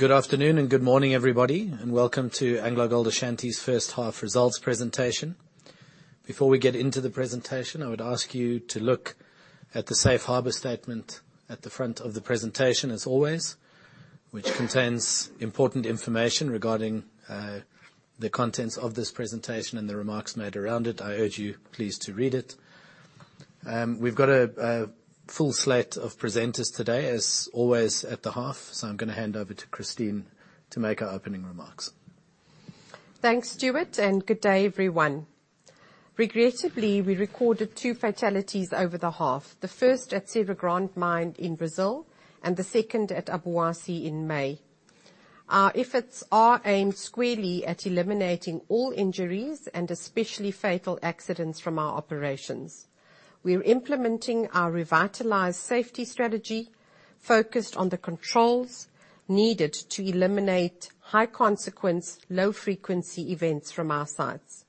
Good afternoon and good morning, everybody, and welcome to AngloGold Ashanti's first half results presentation. Before we get into the presentation, I would ask you to look at the safe harbor statement at the front of the presentation as always, which contains important information regarding the contents of this presentation and the remarks made around it. I urge you please to read it. We've got a full slate of presenters today, as always at the half. I'm going to hand over to Christine to make our opening remarks. Thanks, Stewart, and good day everyone. Regrettably, we recorded two fatalities over the half, the first at Serra Grande mine in Brazil and the second at Obuasi in May. Our efforts are aimed squarely at eliminating all injuries and especially fatal accidents from our operations. We are implementing our revitalized safety strategy, focused on the controls needed to eliminate high consequence, low frequency events from our sites.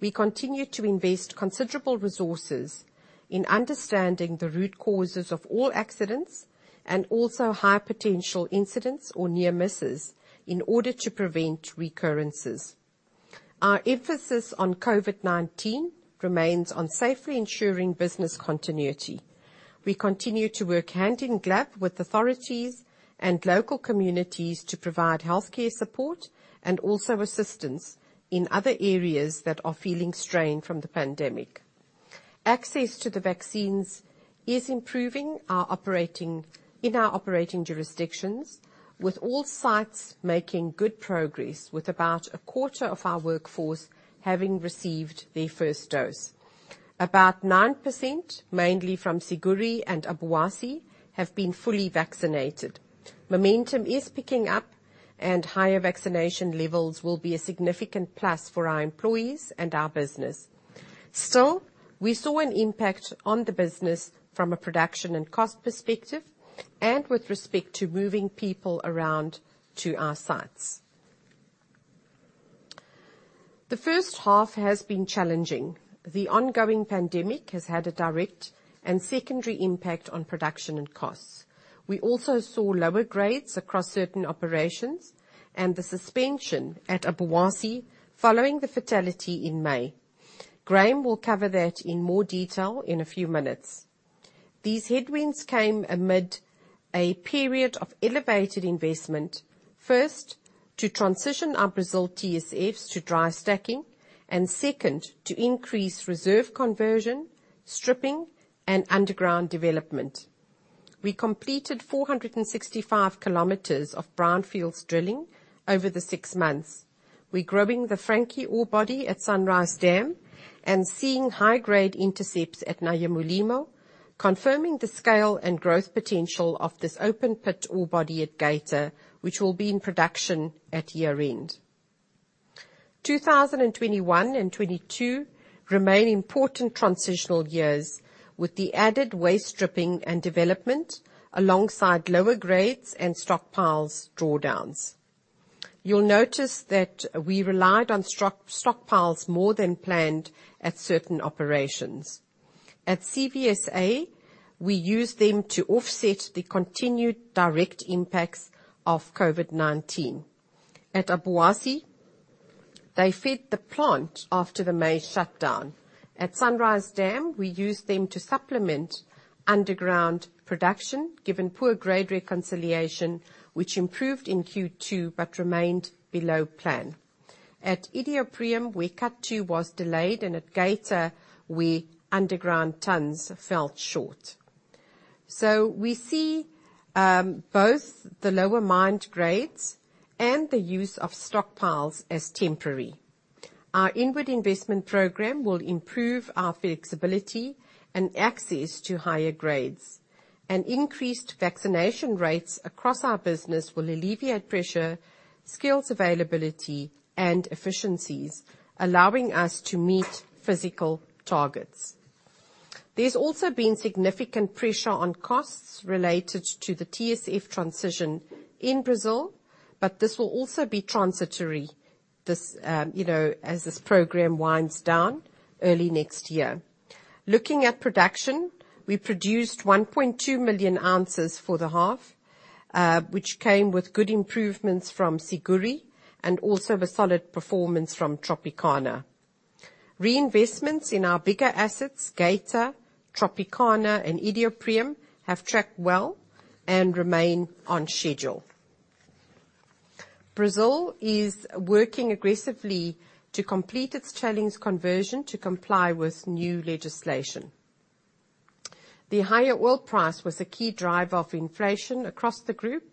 We continue to invest considerable resources in understanding the root causes of all accidents and also high potential incidents or near misses in order to prevent recurrences. Our emphasis on COVID-19 remains on safely ensuring business continuity. We continue to work hand in glove with authorities and local communities to provide healthcare support and also assistance in other areas that are feeling strain from the pandemic. Access to the vaccines is improving in our operating jurisdictions, with all sites making good progress, with about a quarter of our workforce having received their first dose. About 9%, mainly from Iduapriem and Obuasi, have been fully vaccinated. Momentum is picking up, and higher vaccination levels will be a significant plus for our employees and our business. Still, we saw an impact on the business from a production and cost perspective and with respect to moving people around to our sites. The first half has been challenging. The ongoing pandemic has had a direct and secondary impact on production and costs. We also saw lower grades across certain operations and the suspension at Obuasi following the fatality in May. Graham will cover that in more detail in a few minutes. These headwinds came amid a period of elevated investment, first to transition our Brazil TSFs to dry stacking and second to increase reserve conversion, stripping, and underground development. We completed 465 km of brownfields drilling over the six months. We're growing the Frankie ore body at Sunrise Dam and seeing high-grade intercepts at Nyamulilima, confirming the scale and growth potential of this open pit ore body at Geita, which will be in production at year-end. 2021 and 2022 remain important transitional years, with the added waste stripping and development alongside lower grades and stockpiles drawdowns. You'll notice that we relied on stockpiles more than planned at certain operations. At CVSA, we used them to offset the continued direct impacts of COVID-19. At Obuasi, they fed the plant after the May shutdown. At Sunrise Dam, we used them to supplement underground production given poor grade reconciliation, which improved in Q2 but remained below plan. At Iduapriem, Cut 2 was delayed, and at Geita, underground tons fell short. We see both the lower mine grades and the use of stockpiles as temporary. Our inward investment program will improve our flexibility and access to higher grades. Increased vaccination rates across our business will alleviate pressure, skills availability, and efficiencies, allowing us to meet physical targets. There's also been significant pressure on costs related to the TSFs transition in Brazil, but this will also be transitory as this program winds down early next year. Looking at production, we produced 1.2 million ounces for the half, which came with good improvements from Iduapriem and also the solid performance from Tropicana. Reinvestments in our bigger assets, Geita, Tropicana, and Iduapriem, have tracked well and remain on schedule. Brazil is working aggressively to complete its tailings conversion to comply with new legislation. The higher oil price was a key driver of inflation across the group,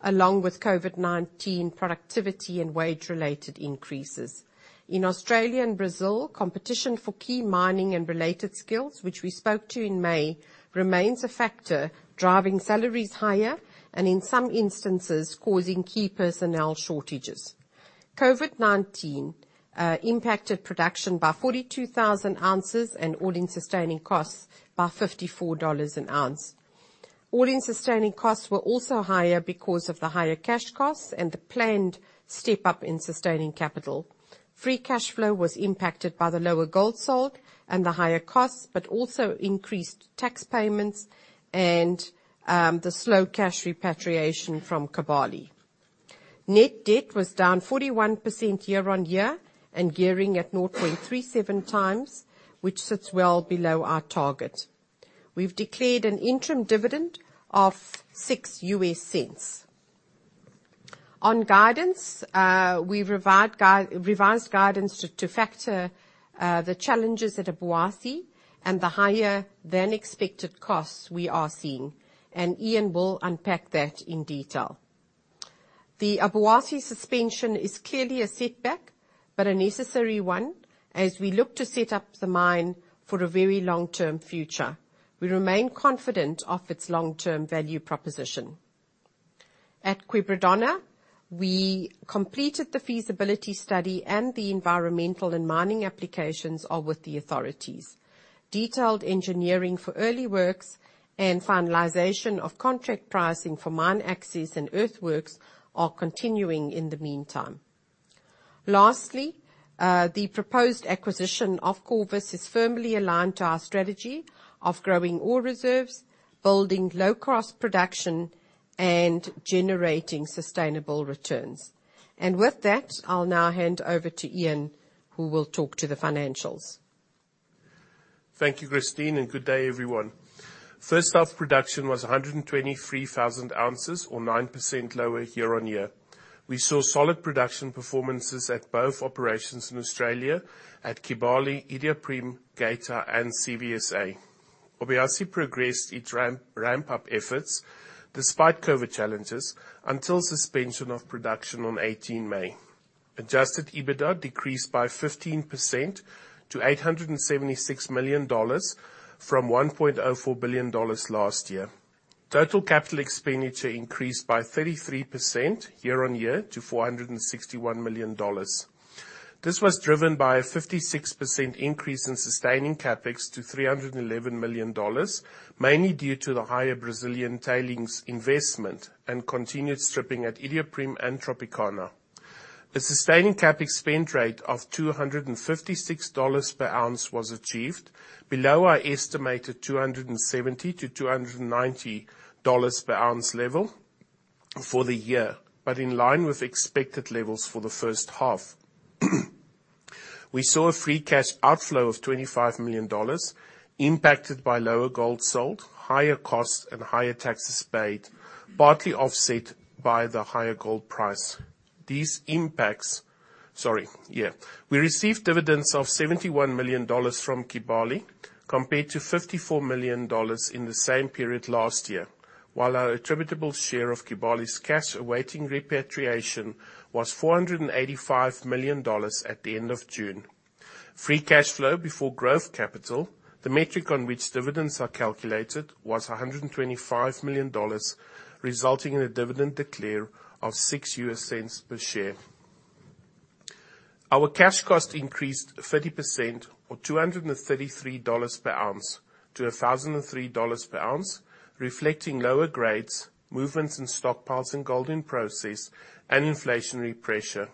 along with COVID-19 productivity and wage-related increases. In Australia and Brazil, competition for key mining and related skills, which we spoke to in May, remains a factor, driving salaries higher and, in some instances, causing key personnel shortages. COVID-19 impacted production by 42,000 ounces and all-in sustaining costs by $54 an ounce. All-in sustaining costs were also higher because of the higher cash costs and the planned step-up in sustaining capital. Free cash flow was impacted by the lower gold sold and the tire costs. Also, increased tax payments and the slow cash repatriation from Kibali. Net debt was down 41% year-on-year and gearing at 0.37x, which sits well below our target. We've declared an interim dividend of $0.06. On guidance, we revised guidance to factor the challenges at Obuasi and the higher than expected costs we are seeing. Ian will unpack that in detail. The Obuasi suspension is clearly a setback. A necessary one as we look to set up the mine for a very long-term future. We remain confident of its long-term value proposition. At Quebradona, we completed the feasibility study. The environmental and mining applications are with the authorities. Detailed engineering for early works and finalization of contract pricing for mine access and earthworks are continuing in the meantime. Lastly, the proposed acquisition of Corvus is firmly aligned to our strategy of growing ore reserves, building low-cost production, and generating sustainable returns. With that, I'll now hand over to Ian, who will talk to the financials. Thank you, Christine, and good day, everyone. First half production was 123,000 ounces, or 9% lower year-on-year. We saw solid production performances at both operations in Australia at Kibali, Iduapriem, Geita, and CVSA. Obuasi progressed its ramp-up efforts despite COVID challenges until suspension of production on 18 May. Adjusted EBITDA decreased by 15% to $876 million from $1.04 billion last year. Total capital expenditure increased by 33% year-on-year to $461 million. This was driven by a 56% increase in sustaining CapEx to $311 million, mainly due to the higher Brazilian tailings investment and continued stripping at Iduapriem and Tropicana. A sustaining CapEx spend rate of $256 per ounce was achieved, below our estimated $270-$290 per ounce level for the year, but in line with expected levels for the first half. We saw a free cash outflow of $25 million impacted by lower gold sold, higher costs, and higher taxes paid, partly offset by the higher gold price. Yeah. We received dividends of $71 million from Kibali, compared to $54 million in the same period last year. While our attributable share of Kibali's cash awaiting repatriation was $485 million at the end of June. Free cash flow before growth capital, the metric on which dividends are calculated, was $125 million, resulting in a dividend declare of $0.06 per share. Our cash cost increased 30%, or $233 per ounce to $1,003 per ounce, reflecting lower grades, movements in stockpiles and gold in process, and inflationary pressure.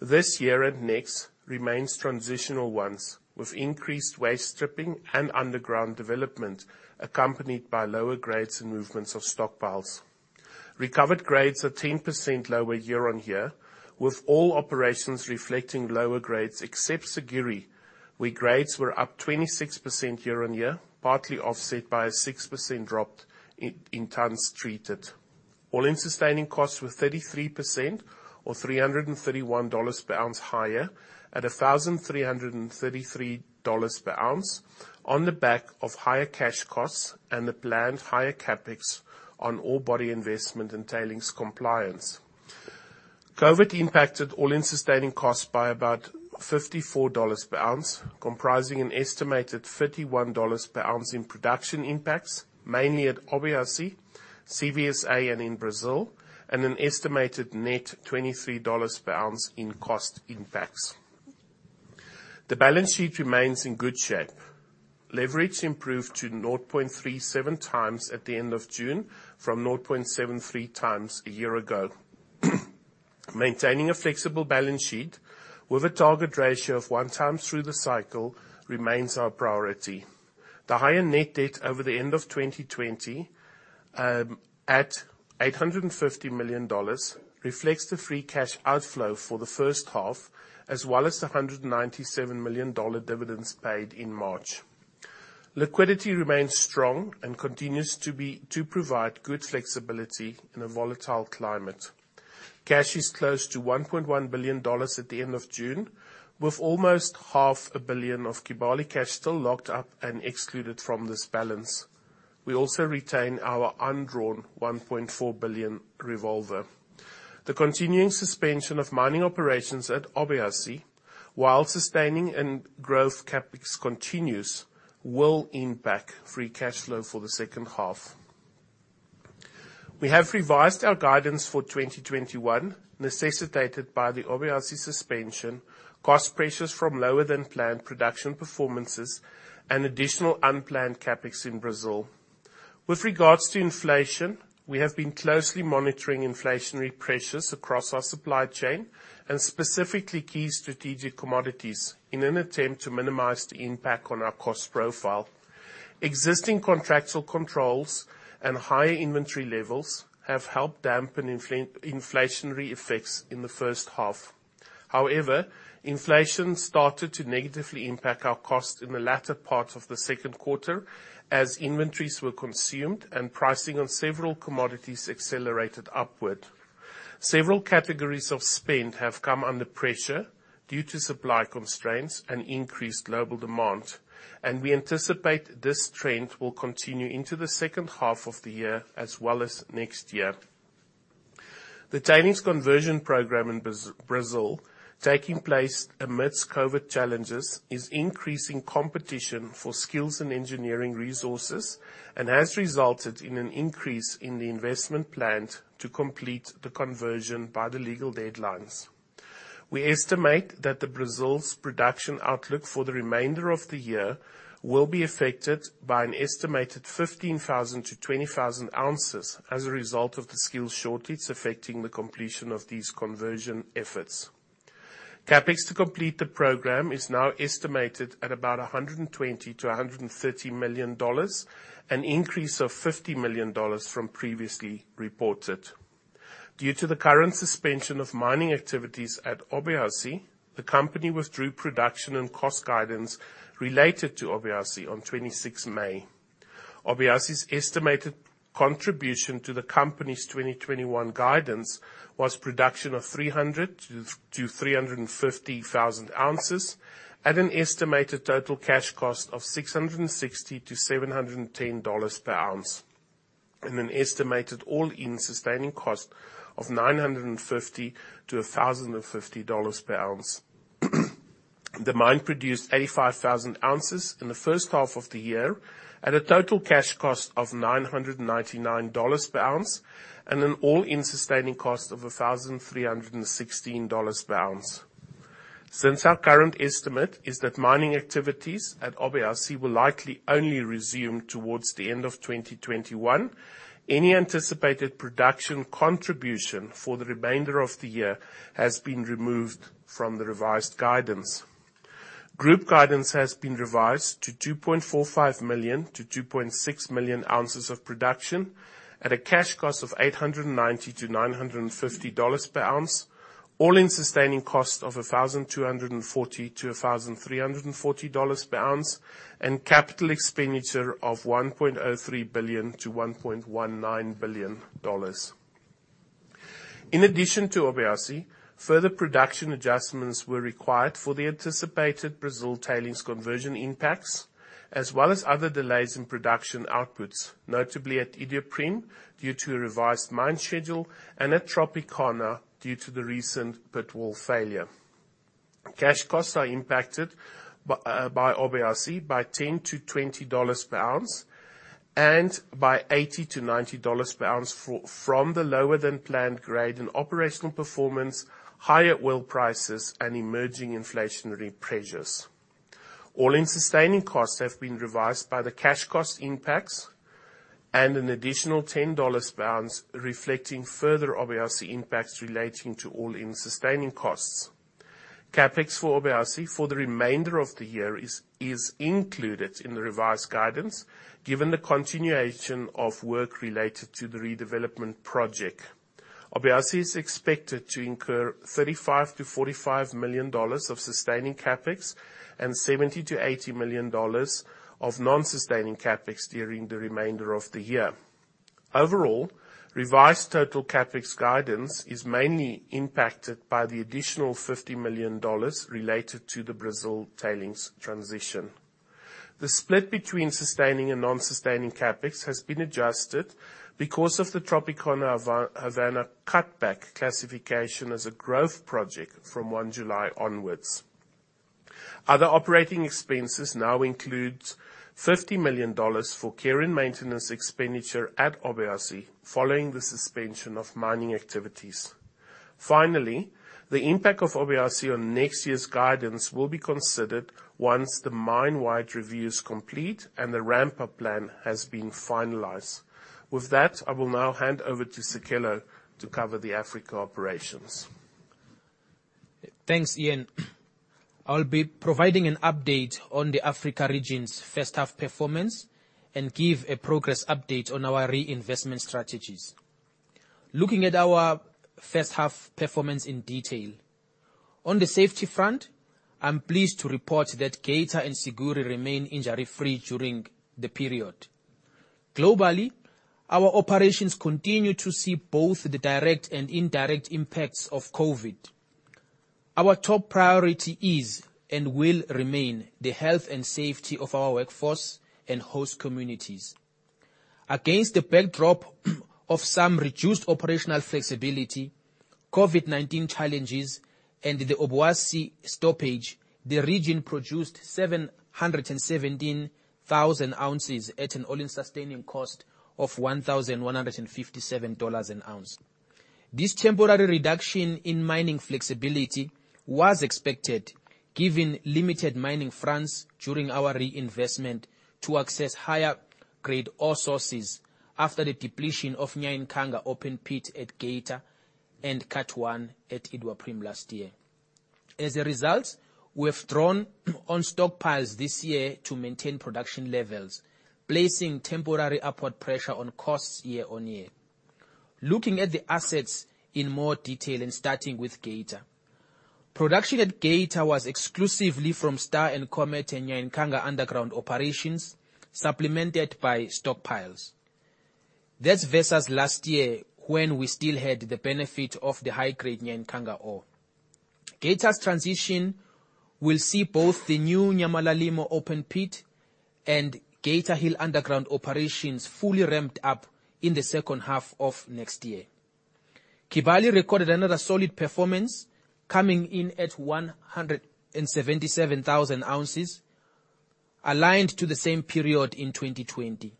This year and next remains transitional ones, with increased waste stripping and underground development, accompanied by lower grades and movements of stockpiles. Recovered grades are 10% lower year-on-year, with all operations reflecting lower grades except Siguiri, where grades were up 26% year-on-year, partly offset by a 6% drop in tons treated. All-in sustaining costs were 33%, or $331 per ounce higher at $1,333 per ounce on the back of higher cash costs and the planned higher CapEx on orebody investment and tailings compliance. COVID impacted all-in sustaining costs by about $54 per ounce, comprising an estimated $31 per ounce in production impacts, mainly at Obuasi, CVSA, and in Brazil, and an estimated net $23 per ounce in cost impacts. The balance sheet remains in good shape. Leverage improved to 0.37 times at the end of June from 0.73 times a year ago. Maintaining a flexible balance sheet with a target ratio of one times through the cycle remains our priority. The higher net debt over the end of 2020, at $850 million, reflects the free cash outflow for the first half, as well as the $197 million dividends paid in March. Liquidity remains strong and continues to provide good flexibility in a volatile climate. Cash is close to $1.1 billion at the end of June, with almost $500 million of Kibali cash still locked up and excluded from this balance. We also retain our undrawn $1.4 billion revolver. The continuing suspension of mining operations at Obuasi while sustaining and growth CapEx continues, will impact free cash flow for the second half. We have revised our guidance for 2021, necessitated by the Obuasi suspension, cost pressures from lower than planned production performances, and additional unplanned CapEx in Brazil. With regards to inflation, we have been closely monitoring inflationary pressures across our supply chain and specifically key strategic commodities in an attempt to minimize the impact on our cost profile. Existing contractual controls and higher inventory levels have helped dampen inflationary effects in the first half. Inflation started to negatively impact our cost in the latter part of the second quarter as inventories were consumed and pricing on several commodities accelerated upward. Several categories of spend have come under pressure due to supply constraints and increased global demand, and we anticipate this trend will continue into the second half of the year as well as next year. The tailings conversion program in Brazil, taking place amidst COVID-19 challenges, is increasing competition for skills and engineering resources and has resulted in an increase in the investment planned to complete the conversion by the legal deadlines. We estimate that Brazil's production outlook for the remainder of the year will be affected by an estimated 15,000-20,000 ounces as a result of the skills shortage affecting the completion of these conversion efforts. CapEx to complete the program is now estimated at about $120 million-$130 million, an increase of $50 million from previously reported. Due to the current suspension of mining activities at Obuasi, the company withdrew production and cost guidance related to Obuasi on 26 May. Obuasi's estimated contribution to the company's 2021 guidance was production of 300,000-350,000 ounces at an estimated total cash cost of $660-$710 per ounce, and an estimated all-in sustaining cost of $950-$1,050 per ounce. The mine produced 85,000 ounces in the first half of the year at a total cash cost of $999 per ounce and an all-in sustaining cost of $1,316 per ounce. Since our current estimate is that mining activities at Obuasi will likely only resume towards the end of 2021, any anticipated production contribution for the remainder of the year has been removed from the revised guidance. Group guidance has been revised to 2.45 million-2.6 million ounces of production at a cash cost of $890-$950 per ounce, all-in sustaining cost of $1,240-$1,340 per ounce, and capital expenditure of $1.03 billion-$1.19 billion. In addition to Obuasi, further production adjustments were required for the anticipated Brazil tailings conversion impacts, as well as other delays in production outputs, notably at Iduapriem due to a revised mine schedule and at Tropicana due to the recent pit wall failure. Cash costs are impacted by Obuasi by $10-$20 per ounce and by $80-$90 per ounce from the lower than planned grade and operational performance, higher oil prices, and emerging inflationary pressures. All-in sustaining costs have been revised by the cash cost impacts and an additional $10 per ounce reflecting further Obuasi impacts relating to all-in sustaining costs. CapEx for Obuasi for the remainder of the year is included in the revised guidance, given the continuation of work related to the redevelopment project. Obuasi is expected to incur $35 million-$45 million of sustaining CapEx and $70 million-$80 million of non-sustaining CapEx during the remainder of the year. Overall, revised total CapEx guidance is mainly impacted by the additional $50 million related to the Brazil tailings transition. The split between sustaining and non-sustaining CapEx has been adjusted because of the Tropicana Havana cutback classification as a growth project from 1 July onwards. Other operating expenses now include $50 million for care and maintenance expenditure at Obuasi following the suspension of mining activities. Finally, the impact of Obuasi on next year's guidance will be considered once the mine-wide review is complete and the ramp-up plan has been finalized. With that, I will now hand over to Sicelo to cover the Africa operations. Thanks, Ian. I will be providing an update on the Africa region's first half performance and give a progress update on our reinvestment strategies. Looking at our first half performance in detail, on the safety front, I am pleased to report that Geita and Siguiri remain injury-free during the period. Globally, our operations continue to see both the direct and indirect impacts of COVID. Our top priority is and will remain the health and safety of our workforce and host communities. Against the backdrop of some reduced operational flexibility, COVID-19 challenges, and the Obuasi stoppage, the region produced 717,000 ounces at an all-in sustaining cost of $1,157 an ounce. This temporary reduction in mining flexibility was expected given limited mining fronts during our reinvestment to access higher grade ore sources after the depletion of Nyamulilima Open Pit at Geita and Cut 1 at Iduapriem last year. As a result, we have drawn on stockpiles this year to maintain production levels, placing temporary upward pressure on costs year-on-year. Looking at the assets in more detail and starting with Geita. Production at Geita was exclusively from Star and Comet and Nyankanga underground operations, supplemented by stockpiles. That's versus last year when we still had the benefit of the high-grade Nyankanga ore. Geita's transition will see both the new Nyamulilima Open Pit and Geita Hill underground operations fully ramped up in the second half of next year. Kibali recorded another solid performance coming in at 177,000 ounces, aligned to the same period in 2020.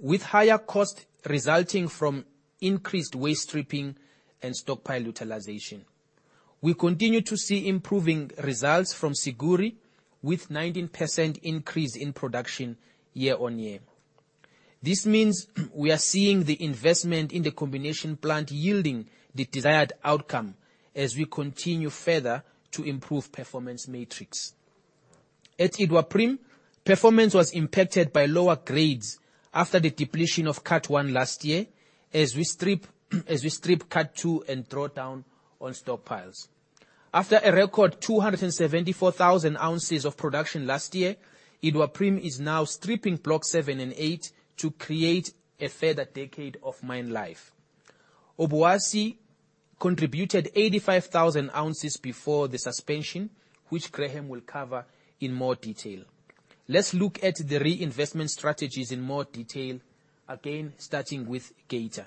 With higher cost resulting from increased waste stripping and stockpile utilization. We continue to see improving results from Siguiri with 19% increase in production year-on-year. This means we are seeing the investment in the comminution plant yielding the desired outcome as we continue further to improve performance metrics. At Iduapriem, performance was impacted by lower grades after the depletion of Cut 1 last year, as we strip Cut 2 and draw down on stockpiles. After a record 274,000 ounces of production last year, Iduapriem is now stripping Block 7 and 8 to create a further decade of mine life. Obuasi contributed 85,000 ounces before the suspension, which Graham will cover in more detail. Let's look at the reinvestment strategies in more detail, again, starting with Geita.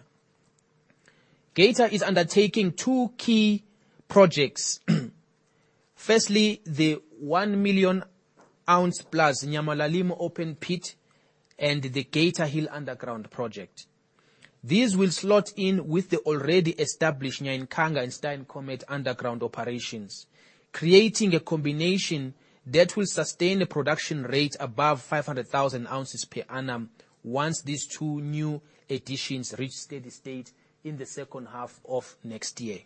Geita is undertaking two key projects. Firstly, the 1 million ounce+ Nyamulilima Open Pit and the Geita Hill Underground Project. These will slot in with the already established Nyankanga and Star and Comet underground operations, creating a combination that will sustain a production rate above 500,000 ounces per annum once these two new additions reach steady state in the second half of next year.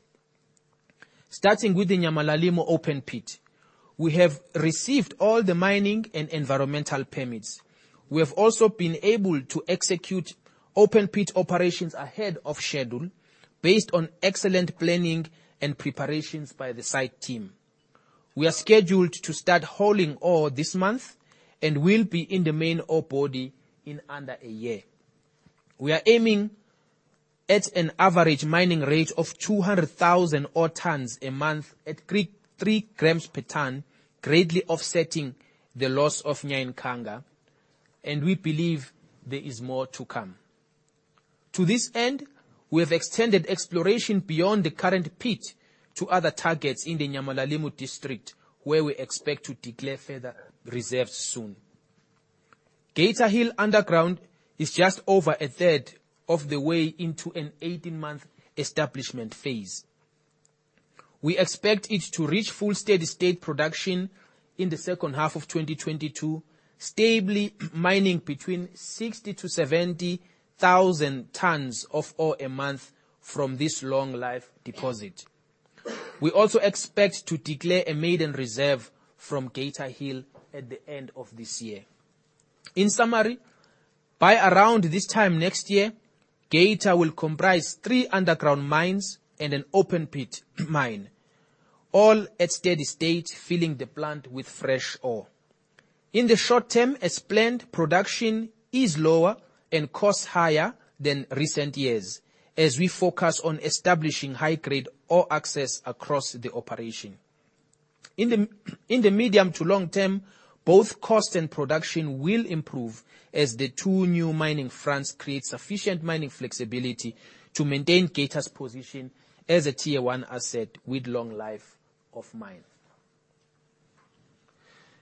Starting with the Nyamulilima Open Pit, we have received all the mining and environmental permits. We have also been able to execute open pit operations ahead of schedule based on excellent planning and preparations by the site team. We are scheduled to start hauling ore this month and will be in the main ore body in under a year. We are aiming at an average mining rate of 200,000 ore tons a month at 3 g per ton, greatly offsetting the loss of Nyankanga. We believe there is more to come. To this end, we have extended exploration beyond the current pit to other targets in the Nyamulilima district, where we expect to declare further reserves soon. Geita Hill Underground is just over one third of the way into an 18-month establishment phase. We expect it to reach full steady state production in the second half of 2022, stably mining between 60,000-70,000 tons of ore a month from this long life deposit. We also expect to declare a maiden reserve from Geita Hill at the end of this year. In summary, by around this time next year, Geita will comprise three underground mines and an open pit mine, all at steady state, filling the plant with fresh ore. In the short term, as planned, production is lower and costs higher than recent years, as we focus on establishing high-grade ore access across the operation. In the medium to long term, both cost and production will improve as the two new mining fronts create sufficient mining flexibility to maintain Geita's position as a tier one asset with long life of mine.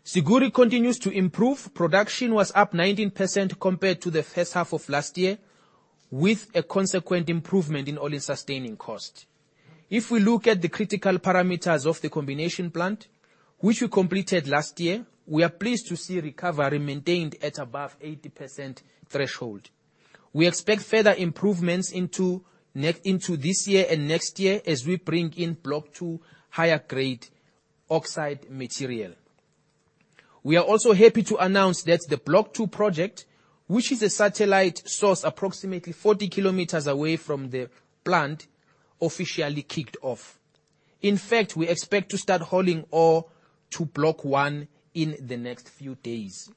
Siguiri continues to improve. Production was up 19% compared to the first half of last year, with a consequent improvement in all-in sustaining costs. If we look at the critical parameters of the comminution plant, which we completed last year, we are pleased to see recovery maintained at above 80% threshold. We expect further improvements into this year and next year as we bring in Block 2 higher-grade oxide material. We are also happy to announce that the Block 2 project, which is a satellite source approximately 40 km away from the plant, officially kicked off. In fact, we expect to start hauling ore to Block 1 in the next few days.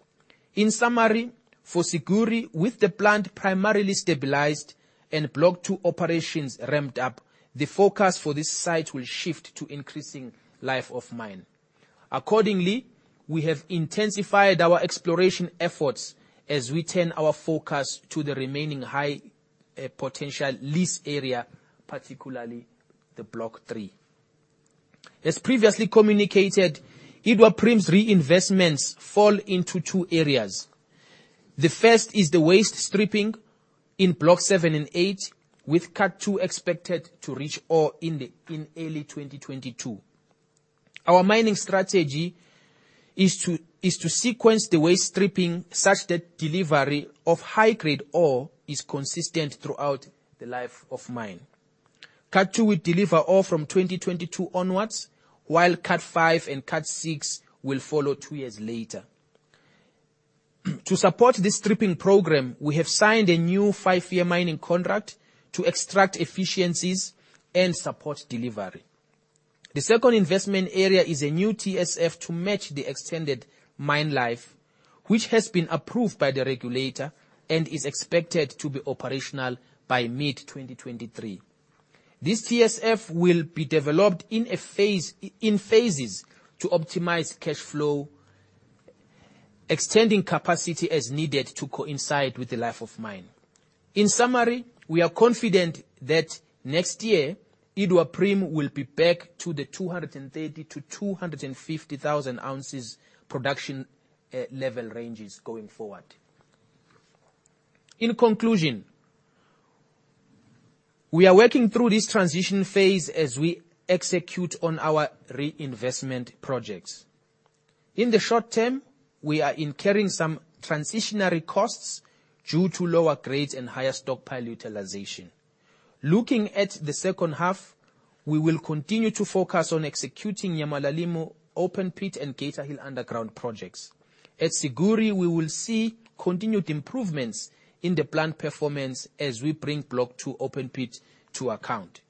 In summary, for Siguiri, with the plant primarily stabilized and Block 2 operations ramped up, the focus for this site will shift to increasing life of mine. Accordingly, we have intensified our exploration efforts as we turn our focus to the remaining high potential lease area, particularly the Block 3. As previously communicated, Iduapriem's reinvestments fall into two areas. The first is the waste stripping in Block 7 and 8, with Cut 2 expected to reach ore in early 2022. Our mining strategy is to sequence the waste stripping such that delivery of high-grade ore is consistent throughout the life of mine. Cut 2 will deliver ore from 2022 onwards, while Cut 5 and Cut 6 will follow two years later. To support this stripping program, we have signed a new five-year mining contract to extract efficiencies and support delivery. The second investment area is a new TSF to match the extended mine life, which has been approved by the regulator and is expected to be operational by mid-2023. This TSF will be developed in phases to optimize cash flow, extending capacity as needed to coincide with the life of mine. In summary, we are confident that next year, Iduapriem will be back to the 230,000-250,000 ounces production level ranges going forward. In conclusion, we are working through this transition phase as we execute on our reinvestment projects. In the short term, we are incurring some transitionary costs due to lower grades and higher stockpile utilization. Looking at the second half, we will continue to focus on executing Nyamulilima Open Pit and Geita Hill underground projects. At Siguiri, we will see continued improvements in the plant performance as we bring Block 2 open pit to account.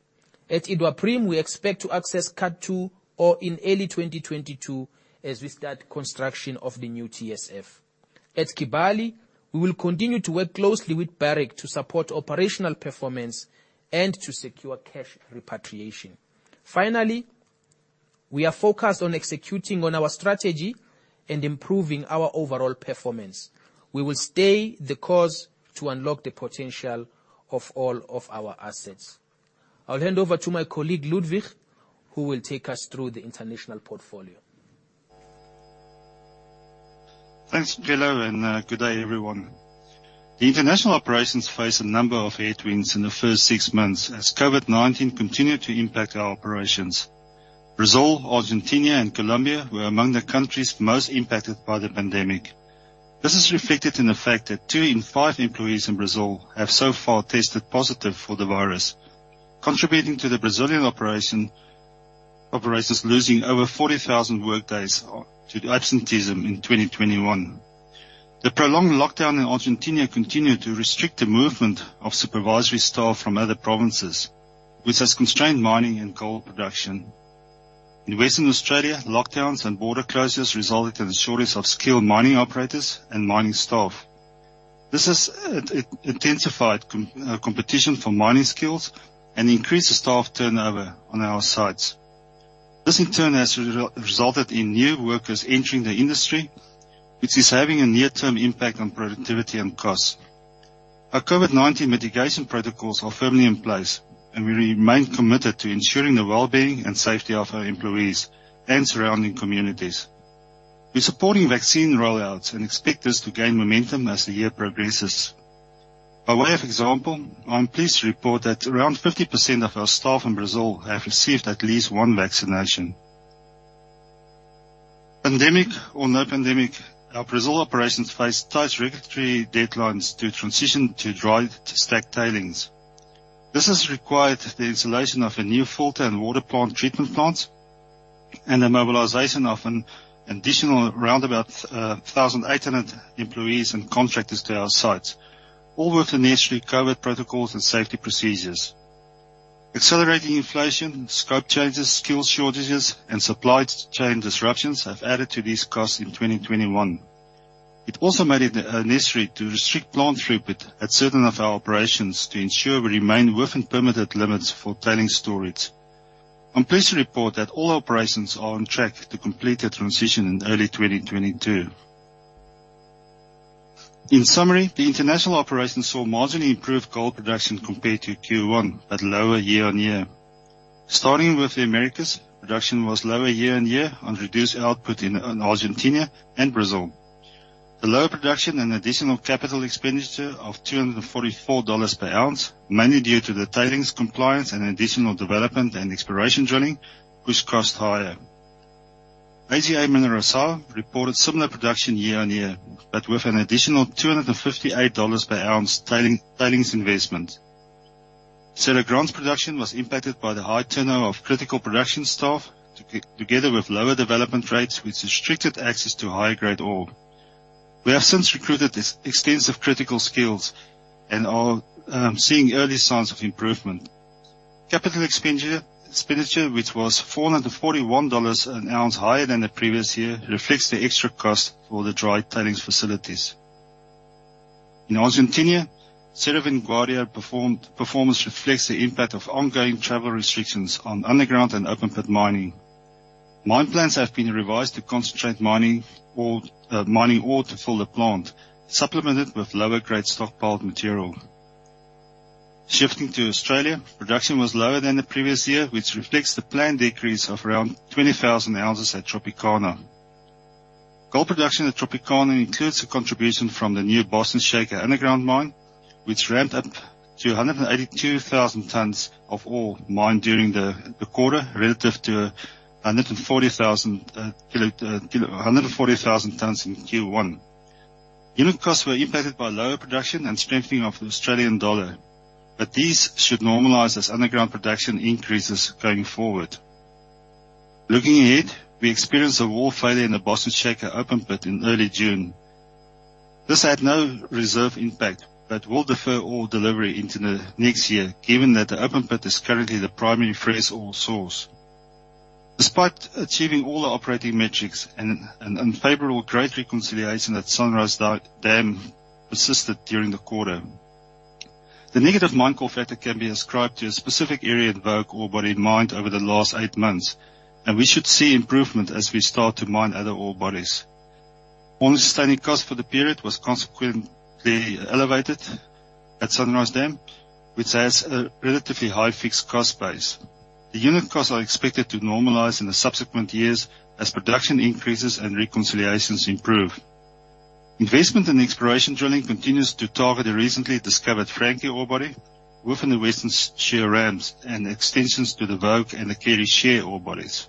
At Iduapriem, we expect to access Cut 2 or in early 2022 as we start construction of the new TSF. At Kibali, we will continue to work closely with Barrick to support operational performance and to secure cash repatriation. Finally, we are focused on executing on our strategy and improving our overall performance. We will stay the course to unlock the potential of all of our assets. I'll hand over to my colleague, Ludwig, who will take us through the international portfolio. Thanks, Sicelo, and good day everyone. The international operations faced a number of headwinds in the first six months as COVID-19 continued to impact our operations. Brazil, Argentina, and Colombia were among the countries most impacted by the pandemic. This is reflected in the fact that two in five employees in Brazil have so far tested positive for the virus, contributing to the Brazilian operations losing over 40,000 workdays to absenteeism in 2021. The prolonged lockdown in Argentina continued to restrict the movement of supervisory staff from other provinces, which has constrained mining and gold production. In Western Australia, lockdowns and border closures resulted in a shortage of skilled mining operators and mining staff. This has intensified competition for mining skills and increased the staff turnover on our sites. This, in turn, has resulted in new workers entering the industry, which is having a near-term impact on productivity and costs. Our COVID-19 mitigation protocols are firmly in place, and we remain committed to ensuring the well-being and safety of our employees and surrounding communities. We're supporting vaccine rollouts and expect this to gain momentum as the year progresses. By way of example, I'm pleased to report that around 50% of our staff in Brazil have received at least one vaccination. Pandemic or no pandemic, our Brazil operations face tight regulatory deadlines to transition to dry stack tailings. This has required the installation of a new filter and water plant treatment plants and the mobilization of an additional around 1,800 employees and contractors to our sites, all with the necessary COVID protocols and safety procedures. Accelerating inflation, scope changes, skills shortages, and supply chain disruptions have added to these costs in 2021. It also made it necessary to restrict plant throughput at certain of our operations to ensure we remain within permitted limits for tailings storage. I'm pleased to report that all operations are on track to complete their transition in early 2022. In summary, the international operations saw marginally improved gold production compared to Q1, but lower year-on-year. Starting with the Americas, production was lower year-on-year on reduced output in Argentina and Brazil. The lower production and additional capital expenditure of $244 per ounce, mainly due to the tailings compliance and additional development and exploration drilling, pushed costs higher. AGA Mineração reported similar production year-on-year, but with an additional $258 per ounce tailings investment. Serra Grande's production was impacted by the high turnover of critical production staff, together with lower development rates, which restricted access to higher-grade ore. We have since recruited extensive critical skills and are seeing early signs of improvement. Capital expenditure, which was $441 an ounce higher than the previous year, reflects the extra cost for the dry tailings facilities. In Argentina, Cerro Vanguardia performance reflects the impact of ongoing travel restrictions on underground and open-pit mining. Mine plans have been revised to concentrate mining ore to fill the plant, supplemented with lower grade stockpiled material. Shifting to Australia, production was lower than the previous year, which reflects the planned decrease of around 20,000 ounces at Tropicana. Gold production at Tropicana includes a contribution from the new Boston Shaker underground mine, which ramped up to 182,000 tons of ore mined during the quarter, relative to 140,000 tons in Q1. Unit costs were impacted by lower production and strengthening of the Australian dollar, but these should normalize as underground production increases going forward. Looking ahead, we experienced a wall failure in the Boston Shaker open pit in early June. This had no reserve impact, but will defer ore delivery into the next year, given that the open pit is currently the primary fresh ore source. Despite achieving all the operating metrics and an unfavorable grade reconciliation at Sunrise Dam persisted during the quarter. The negative mine call factor can be ascribed to a specific area in the Vogue ore body mined over the last eight months, and we should see improvement as we start to mine other ore bodies. all-in sustaining costs for the period was consequently elevated at Sunrise Dam, which has a relatively high fixed cost base. The unit costs are expected to normalize in the subsequent years as production increases and reconciliations improve. Investment in exploration drilling continues to target the recently discovered Frankie ore body within the Western Shear ramps and extensions to the Vogue and the Carey Shear ore bodies.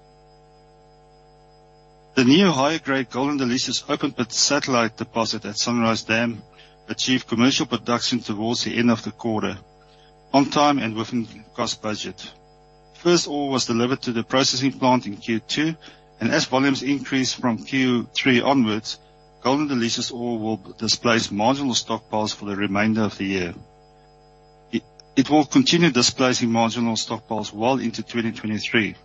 The new higher grade Golden Delicious open pit satellite deposit at Sunrise Dam achieved commercial production towards the end of the quarter, on time and within cost budget. First ore was delivered to the processing plant in Q2 and as volumes increase from Q3 onwards, Golden Delicious ore will displace marginal stockpiles for the remainder of the year. It will continue displacing marginal stockpiles well into 2023.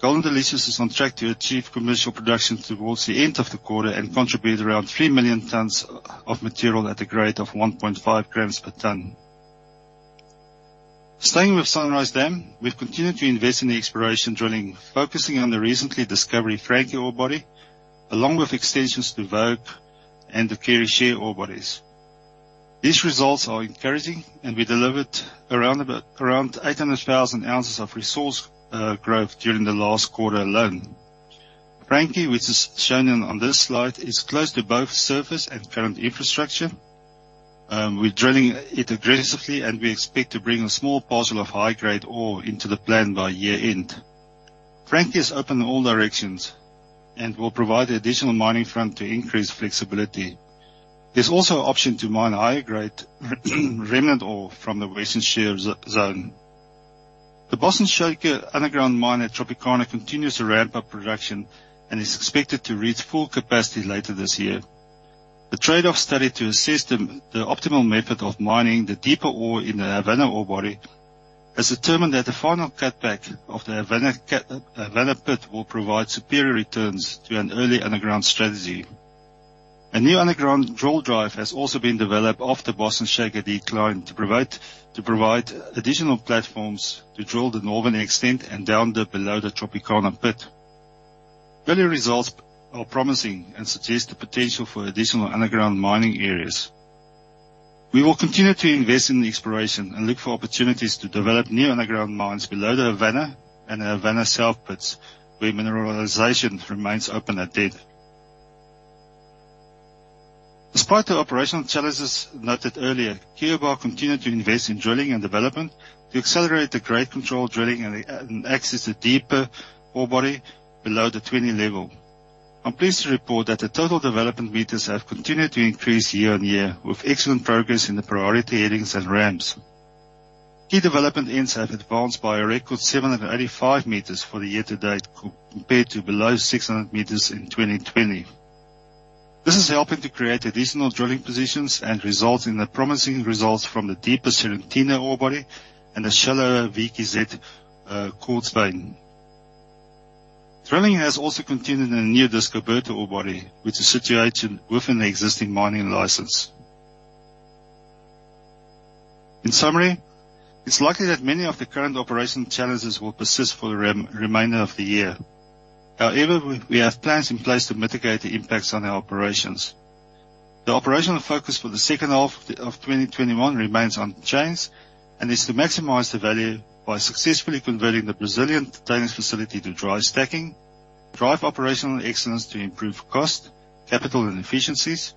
Golden Delicious is on track to achieve commercial production towards the end of the quarter and contribute around 3 million tons of material at a grade of 1.5 g per ton. Staying with Sunrise Dam, we've continued to invest in the exploration drilling, focusing on the recently discovered Frankie ore body, along with extensions to Vogue and the Carey Shear ore bodies. These results are encouraging, and we delivered around 800,000 ounces of resource growth during the last quarter alone. Frankie, which is shown on this slide, is close to both surface and current infrastructure. We're drilling it aggressively, and we expect to bring a small parcel of high-grade ore into the plan by year end. Frankie is open in all directions and will provide additional mining front to increase flexibility. There's also an option to mine higher grade remnant ore from the Western Shear zone. The Boston Shaker underground mine at Tropicana continues to ramp up production and is expected to reach full capacity later this year. The trade-off study to assess the optimal method of mining the deeper ore in the Havana ore body has determined that the final cutback of the Havana pit will provide superior returns to an early underground strategy. A new underground drill drive has also been developed off the Boston Shaker decline to provide additional platforms to drill the northern extent and down dip below the Tropicana pit. Early results are promising and suggest the potential for additional underground mining areas. We will continue to invest in the exploration and look for opportunities to develop new underground mines below the Havana and the Havana South pits, where mineralization remains open at depth. Despite the operational challenges noted earlier, Cuiabá continued to invest in drilling and development to accelerate the grade control drilling and access the deeper ore body below the 20 level. I'm pleased to report that the total development meters have continued to increase year-on-year, with excellent progress in the priority headings and ramps. Key development ends have advanced by a record 785 m for the year to date, compared to below 600 m in 2020. This is helping to create additional drilling positions and results in the promising results from the deeper Serrotinho ore body and the shallow VQZ Quartz Vein. Drilling has also continued in the newly discovered Berta ore body, which is situated within the existing mining license. In summary, it's likely that many of the current operational challenges will persist for the remainder of the year. However, we have plans in place to mitigate the impacts on our operations. The operational focus for the second half of 2021 remains unchanged and is to maximize the value by successfully converting the Brazilian tailings facility to dry stacking, drive operational excellence to improve cost, capital and efficiencies,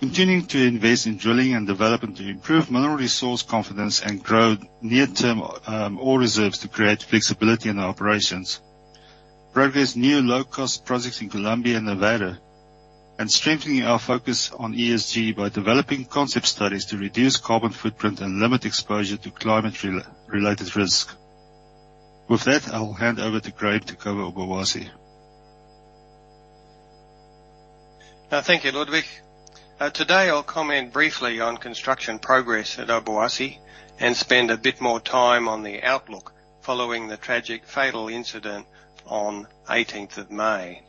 continuing to invest in drilling and development to improve mineral resource confidence and grow near-term ore reserves to create flexibility in our operations. Progress new low-cost projects in Colombia and Nevada. Strengthening our focus on ESG by developing concept studies to reduce carbon footprint and limit exposure to climate-related risk. With that, I'll hand over to Graham to cover Obuasi. Thank you, Ludwig. Today I'll comment briefly on construction progress at Obuasi and spend a bit more time on the outlook following the tragic fatal incident on 18th of May.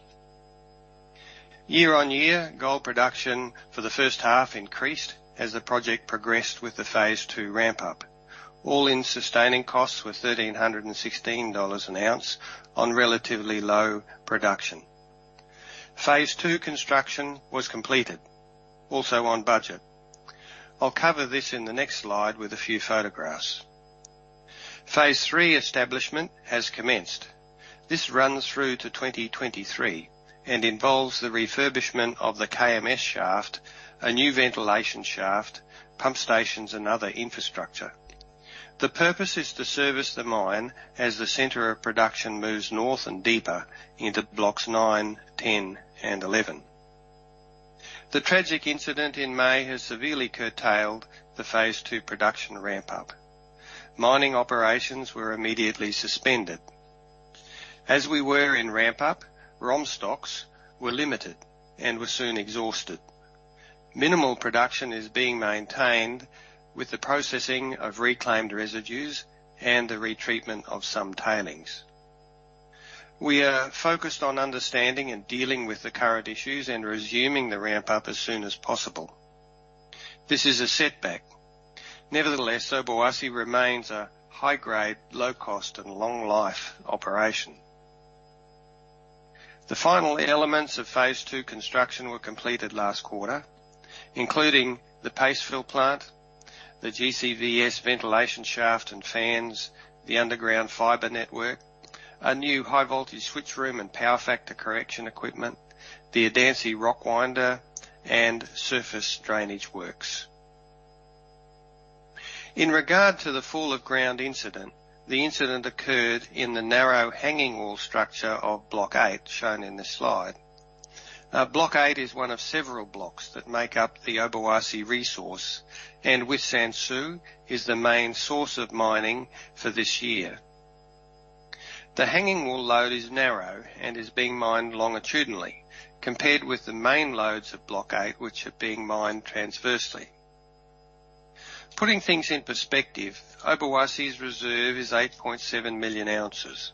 Year-on-year, gold production for the first half increased as the project progressed with the phase II ramp up. all-in sustaining costs were $1,316 an ounce on relatively low production. Phase II construction was completed, also on budget. I'll cover this in the next slide with a few photographs. Phase III establishment has commenced. This runs through to 2023 and involves the refurbishment of the KMS shaft, a new ventilation shaft, pump stations and other infrastructure. The purpose is to service the mine as the center of production moves north and deeper into Blocks 9, 10, and 11. The tragic incident in May has severely curtailed the phase II production ramp up. Mining operations were immediately suspended. As we were in ramp up, ROM stocks were limited and were soon exhausted. Minimal production is being maintained with the processing of reclaimed residues and the retreatment of some tailings. We are focused on understanding and dealing with the current issues and resuming the ramp up as soon as possible. This is a setback. Nevertheless, Obuasi remains a high grade, low cost and long life operation. The final elements of phase II construction were completed last quarter, including the paste fill plant, the GCVS ventilation shaft and fans, the underground fiber network, a new high voltage switch room and power factor correction equipment, the Adansi rock winder, and surface drainage works. In regard to the fall of ground incident, the incident occurred in the narrow hanging wall structure of Block 8, shown in this slide. Block 8 is one of several blocks that make up the Obuasi resource, and with Sansu is the main source of mining for this year. The hanging wall lode is narrow and is being mined longitudinally compared with the main lodes of Block 8, which are being mined transversely. Putting things in perspective, Obuasi's reserve is 8.7 million ounces.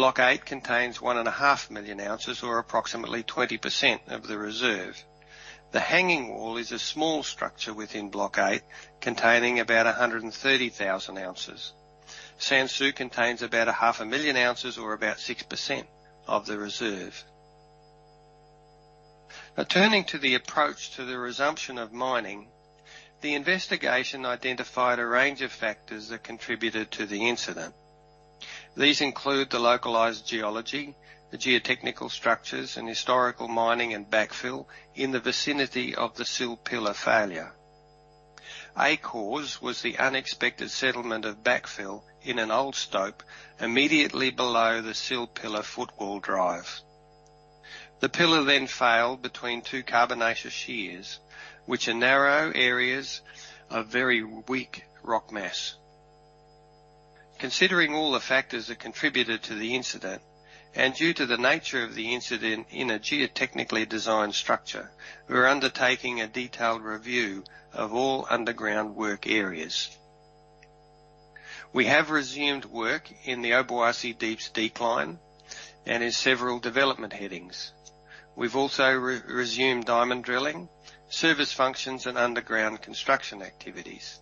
Block 8 contains 1.5 million ounces or approximately 20% of the reserve. The hanging wall is a small structure within Block 8, containing about 130,000 ounces. Sansu contains about 500,000 ounces or about 6% of the reserve. Turning to the approach to the resumption of mining. The investigation identified a range of factors that contributed to the incident. These include the localized geology, the geotechnical structures, and historical mining and backfill in the vicinity of the sill pillar failure. A cause was the unexpected settlement of backfill in an old stope immediately below the sill pillar footwall drive. The pillar failed between two carbonaceous shears, which are narrow areas of very weak rock mass. Considering all the factors that contributed to the incident, and due to the nature of the incident in a geotechnically designed structure, we are undertaking a detailed review of all underground work areas. We have resumed work in the Obuasi Deeps decline and in several development headings. We have also resumed diamond drilling, service functions, and underground construction activities.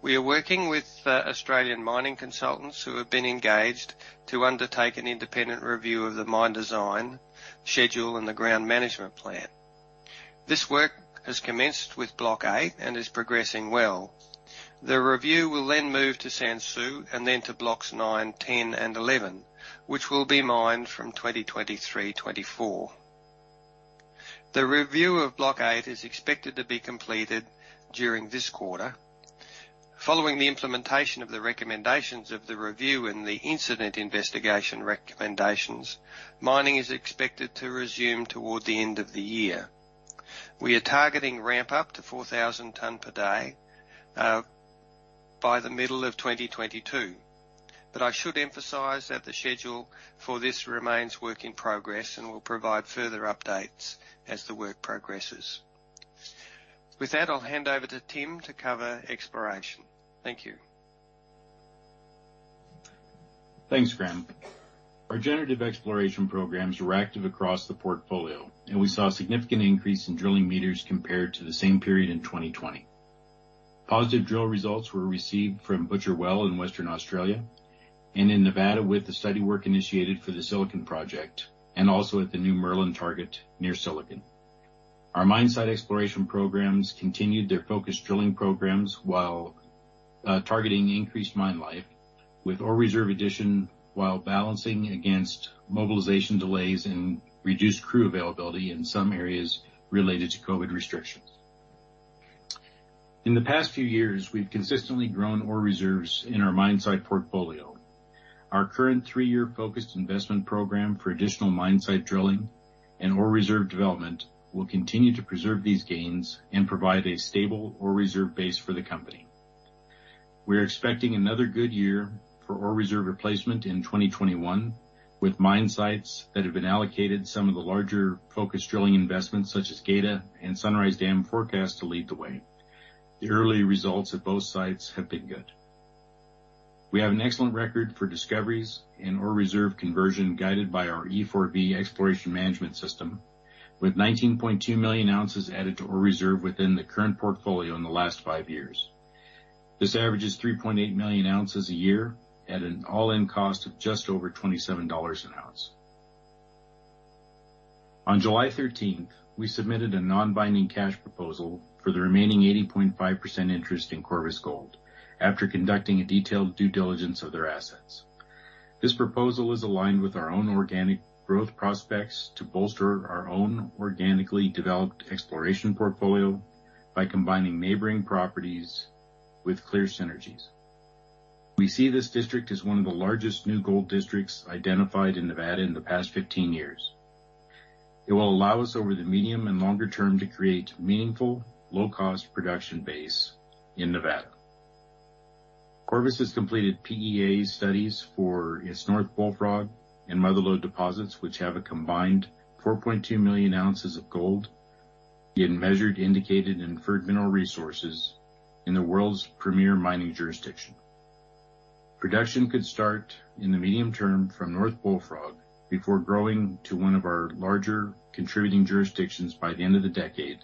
We are working with Australian mining consultants who have been engaged to undertake an independent review of the mine design, schedule, and the ground management plan. This work has commenced with Block 8 and is progressing well. The review will move to Sansu and then to Blocks 9, 10, and 11, which will be mined from 2023/2024. The review of Block 8 is expected to be completed during this quarter. Following the implementation of the recommendations of the review and the incident investigation recommendations, mining is expected to resume toward the end of the year. We are targeting ramp up to 4,000 ton per day, by the middle of 2022. I should emphasize that the schedule for this remains work in progress, and we'll provide further updates as the work progresses. With that, I'll hand over to Tim to cover exploration. Thank you. Thanks, Graham. Our generative exploration programs were active across the portfolio, and we saw a significant increase in drilling meters compared to the same period in 2020. Positive drill results were received from Butcher Well in Western Australia and in Nevada with the study work initiated for the Silicon project and also at the New Merlin target near Silicon. Our mine site exploration programs continued their focused drilling programs while, targeting increased mine life with ore reserve addition while balancing against mobilization delays and reduced crew availability in some areas related to COVID restrictions. In the past few years, we've consistently grown ore reserves in our mine site portfolio. Our current three-year focused investment program for additional mine site drilling and ore reserve development will continue to preserve these gains and provide a stable ore reserve base for the company. We're expecting another good year for ore reserve replacement in 2021 with mine sites that have been allocated some of the larger focused drilling investments such as Geita and Sunrise Dam forecast to lead the way. The early results at both sites have been good. We have an excellent record for discoveries and ore reserve conversion guided by our E4V exploration management system, with 19.2 million ounces added to ore reserve within the current portfolio in the last five years. This averages 3.8 million ounces a year at an all-in cost of just over $27 an ounce. On July 13th, we submitted a non-binding cash proposal for the remaining 80.5% interest in Corvus Gold after conducting a detailed due diligence of their assets. This proposal is aligned with our own organic growth prospects to bolster our own organically developed exploration portfolio by combining neighboring properties with clear synergies. We see this district as one of the largest new gold districts identified in Nevada in the past 15 years. It will allow us, over the medium and longer term, to create meaningful, low-cost production base in Nevada. Corvus has completed PEA studies for its North Bullfrog and Mother Lode deposits, which have a combined 4.2 million ounces of gold in measured, indicated, and inferred mineral resources in the world's premier mining jurisdiction. Production could start in the medium-term from North Bullfrog before growing to one of our larger contributing jurisdictions by the end of the decade,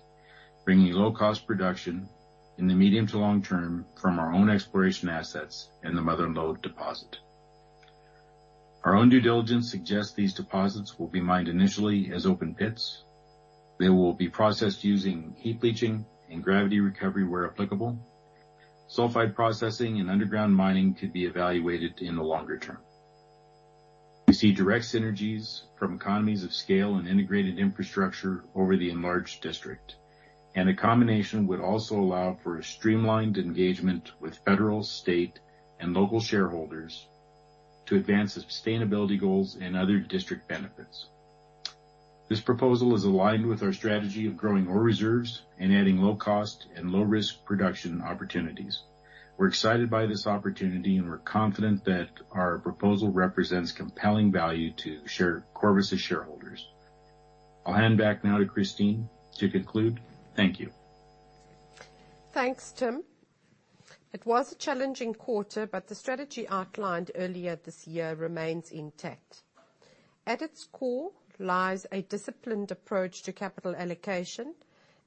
bringing low-cost production in the medium to long term from our own exploration assets in the Mother Lode deposit. Our own due diligence suggests these deposits will be mined initially as open pits. They will be processed using heap leaching and gravity recovery where applicable. Sulfide processing and underground mining could be evaluated in the longer term. We see direct synergies from economies of scale and integrated infrastructure over the enlarged district, and a combination would also allow for a streamlined engagement with federal, state, and local shareholders to advance the sustainability goals and other district benefits. This proposal is aligned with our strategy of growing ore reserves and adding low-cost and low-risk production opportunities. We're excited by this opportunity, and we're confident that our proposal represents compelling value to Corvus' shareholders. I'll hand back now to Christine to conclude. Thank you. Thanks, Tim. It was a challenging quarter, but the strategy outlined earlier this year remains intact. At its core lies a disciplined approach to capital allocation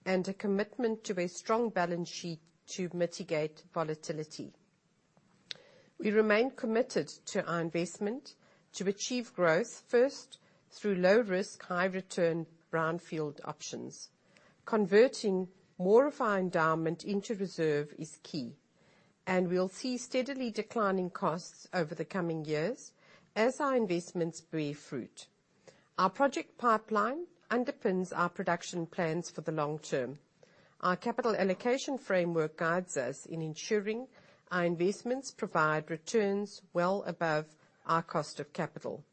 and a commitment to a strong balance sheet to mitigate volatility. We remain committed to our investment to achieve growth, first, through low risk, high return brownfield options. Converting more of our endowment into reserve is key, and we'll see steadily declining costs over the coming years as our investments bear fruit. Our project pipeline underpins our production plans for the long term. Our capital allocation framework guides us in ensuring our investments provide returns well above our cost of capital,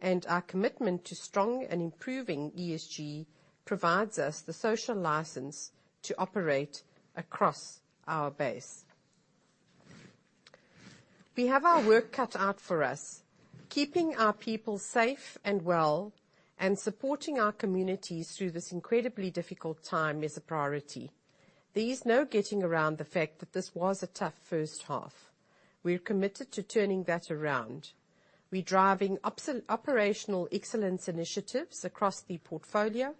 and our commitment to strong and improving ESG provides us the social license to operate across our base. We have our work cut out for us. Keeping our people safe and well, and supporting our communities through this incredibly difficult time is a priority. There is no getting around the fact that this was a tough first half. We're committed to turning that around. We're driving operational excellence initiatives across the portfolio.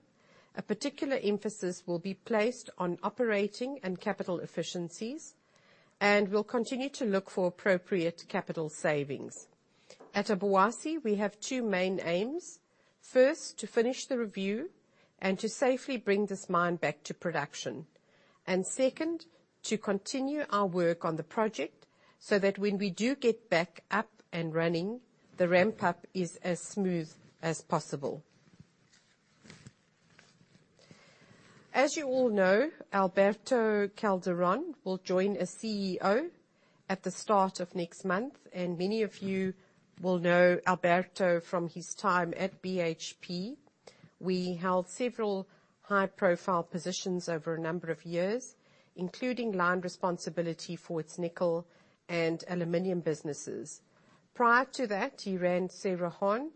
A particular emphasis will be placed on operating and capital efficiencies, and we'll continue to look for appropriate capital savings. At Obuasi, we have two main aims. First, to finish the review and to safely bring this mine back to production. Second, to continue our work on the project so that when we do get back up and running, the ramp-up is as smooth as possible. As you all know, Alberto Calderon will join as Chief Executive Officer at the start of next month. Many of you will know Alberto from his time at BHP, where he held several high-profile positions over a number of years, including line responsibility for its nickel and aluminum businesses. Prior to that, he ran Cerrejón,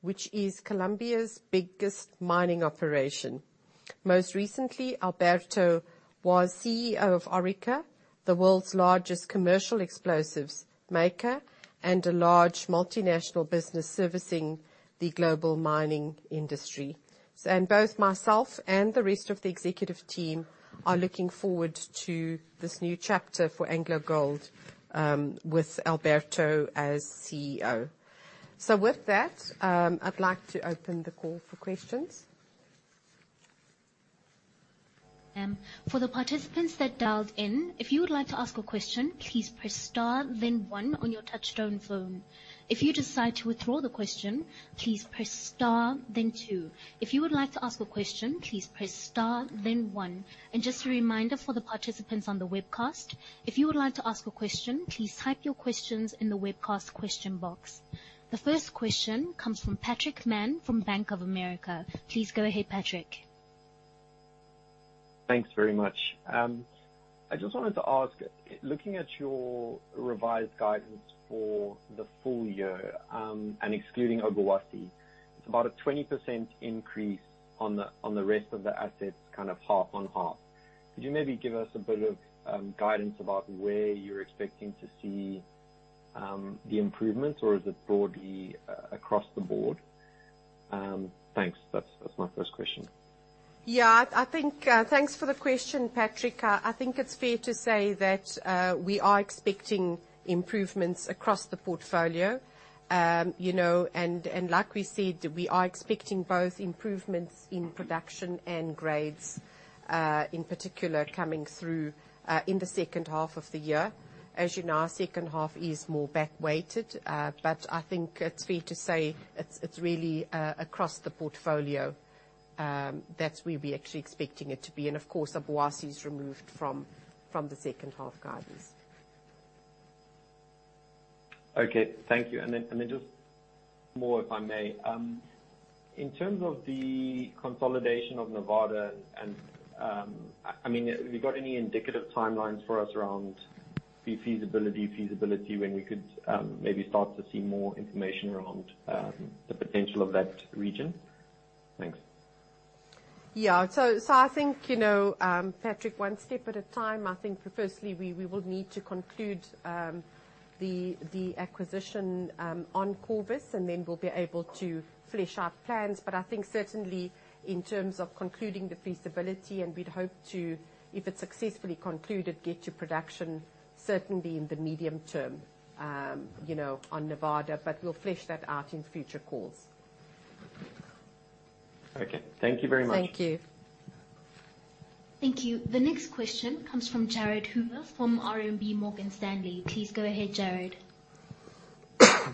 which is Colombia's biggest mining operation. Most recently, Alberto was Chief Executive Officer of Orica, the world's largest commercial explosives maker and a large multinational business servicing the global mining industry. Both myself and the rest of the executive team are looking forward to this new chapter for AngloGold, with Alberto as Chief Executive Officer. With that, I'd like to open the call for questions. For the participants that dialed in, if you would like to ask a question, please press star then one on your touch-tone phone. If you decide to withdraw the question, please press star then two. If you would like to ask a question, please press star then one. Just a reminder for the participants on the webcast, if you would like to ask a question, please type your questions in the webcast question box. The first question comes from Patrick Mann from Bank of America. Please go ahead, Patrick. Thanks very much. I just wanted to ask, looking at your revised guidance for the full year, excluding Obuasi, it's about a 20% increase on the rest of the assets, kind of half on half. Could you maybe give us a bit of guidance about where you're expecting to see the improvements, or is it broadly across the board? Thanks. That's my first question. Yeah. Thanks for the question, Patrick. I think it's fair to say that we are expecting improvements across the portfolio. Like we said, we are expecting both improvements in production and grades, in particular coming through, in the second half of the year. As you know, our second half is more back-weighted. I think it's fair to say it's really across the portfolio. That's where we're actually expecting it to be. Of course Obuasi is removed from the second half guidance. Okay. Thank you. Just more, if I may. In terms of the consolidation of Nevada, have you got any indicative timelines for us around the feasibility when we could maybe start to see more information around the potential of that region? Thanks. Yeah. I think, Patrick, one step at a time. I think firstly, we will need to conclude the acquisition on Corvus, and then we'll be able to flesh out plans. I think certainly in terms of concluding the feasibility, and we'd hope to, if it's successfully concluded, get to production certainly in the medium term on Nevada. We'll flesh that out in future calls. Okay. Thank you very much. Thank you. Thank you. The next question comes from Jared Hoover from RMB Morgan Stanley. Please go ahead, Jared.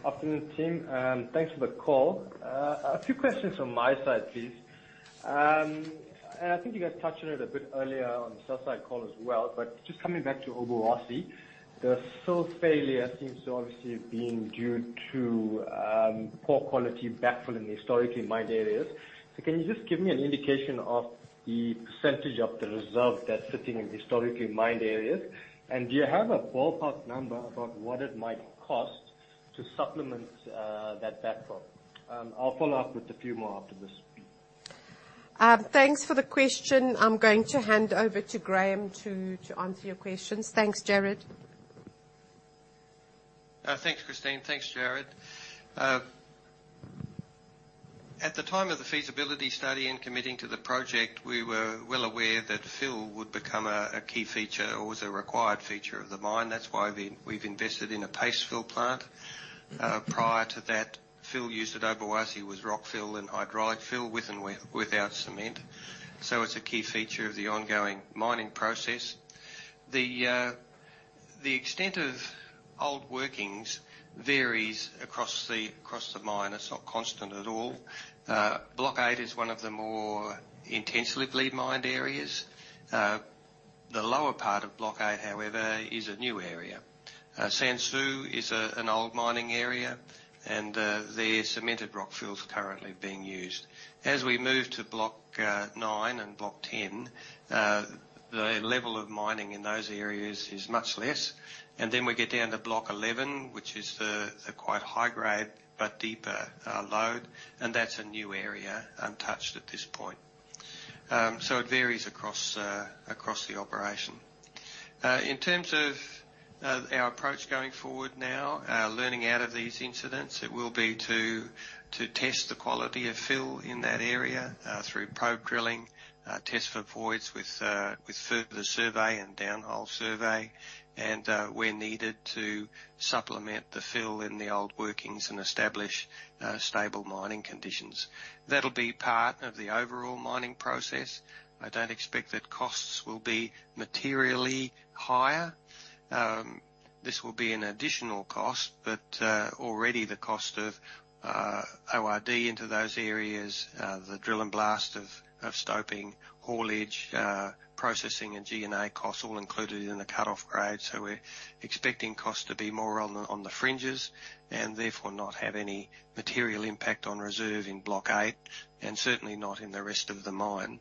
Afternoon, team. Thanks for the call. A few questions from my side, please. I think you guys touched on it a bit earlier on the Southside call as well, but just coming back to Obuasi, the fill failure seems to obviously have been due to poor quality backfill in the historically mined areas. Can you just give me an indication of the percentage of the reserve that's sitting in historically mined areas? Do you have a ballpark number about what it might cost to supplement that backfill? I'll follow-up with a few more after this. Thanks for the question. I'm going to hand over to Graham to answer your questions. Thanks, Jared. Thanks, Christine. Thanks, Jared. At the time of the feasibility study and committing to the project, we were well aware that fill would become a key feature or was a required feature of the mine. That's why we've invested in a paste fill plant. Prior to that, fill used at Obuasi was rock fill and hydraulic fill with and without cement. It's a key feature of the ongoing mining process. The extent of old workings varies across the mine. It's not constant at all. Block 8 is one of the more intensively mined areas. The lower part of Block 8, however, is a new area. Sansu is an old mining area and their cemented rock fill is currently being used. As we move to Block 9 and Block 10, the level of mining in those areas is much less. Then we get down to Block 11, which is a quite high grade, but deeper load. That's a new area untouched at this point. It varies across the operation. In terms of our approach going forward now, learning out of these incidents, it will be to test the quality of fill in that area through probe drilling, test for voids with further survey and downhole survey. Where needed, to supplement the fill in the old workings and establish stable mining conditions. That'll be part of the overall mining process. I don't expect that costs will be materially higher. This will be an additional cost, but already the cost of ORD into those areas, the drill and blast of stoping, haulage, processing, and G&A costs all included in the cut-off grade. We're expecting costs to be more on the fringes, and therefore not have any material impact on reserve in Block 8, and certainly not in the rest of the mine.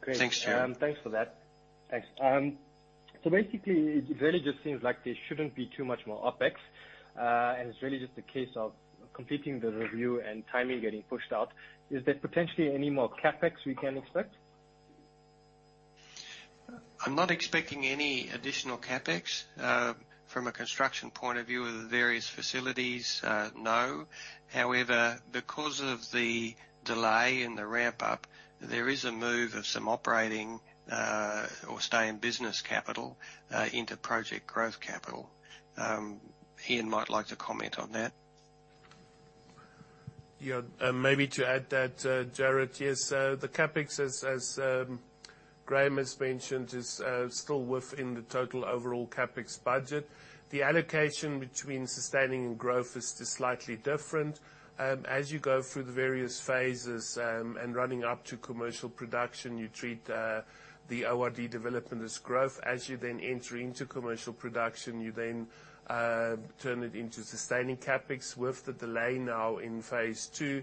Great. Thanks, Jared. Thanks for that. Thanks. Basically, it really just seems like there shouldn't be too much more OpEx, and it's really just a case of completing the review and timing getting pushed out. Is there potentially any more CapEx we can expect? I'm not expecting any additional CapEx. From a construction point of view of the various facilities, no. However, because of the delay in the ramp-up, there is a move of some operating or stay-in-business capital into project growth capital. Ian might like to comment on that. Yeah. Maybe to add that, Jared, yes, the CapEx, as Graham has mentioned, is still within the total overall CapEx budget. The allocation between sustaining and growth is slightly different. As you go through the various phases and running up to commercial production, you treat the ORD development as growth. As you then enter into commercial production, you then turn it into sustaining CapEx. With the delay now in phase II,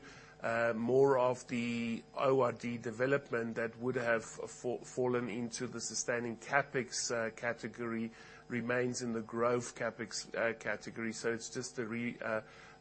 more of the ORD development that would have fallen into the sustaining CapEx category remains in the growth CapEx category. It's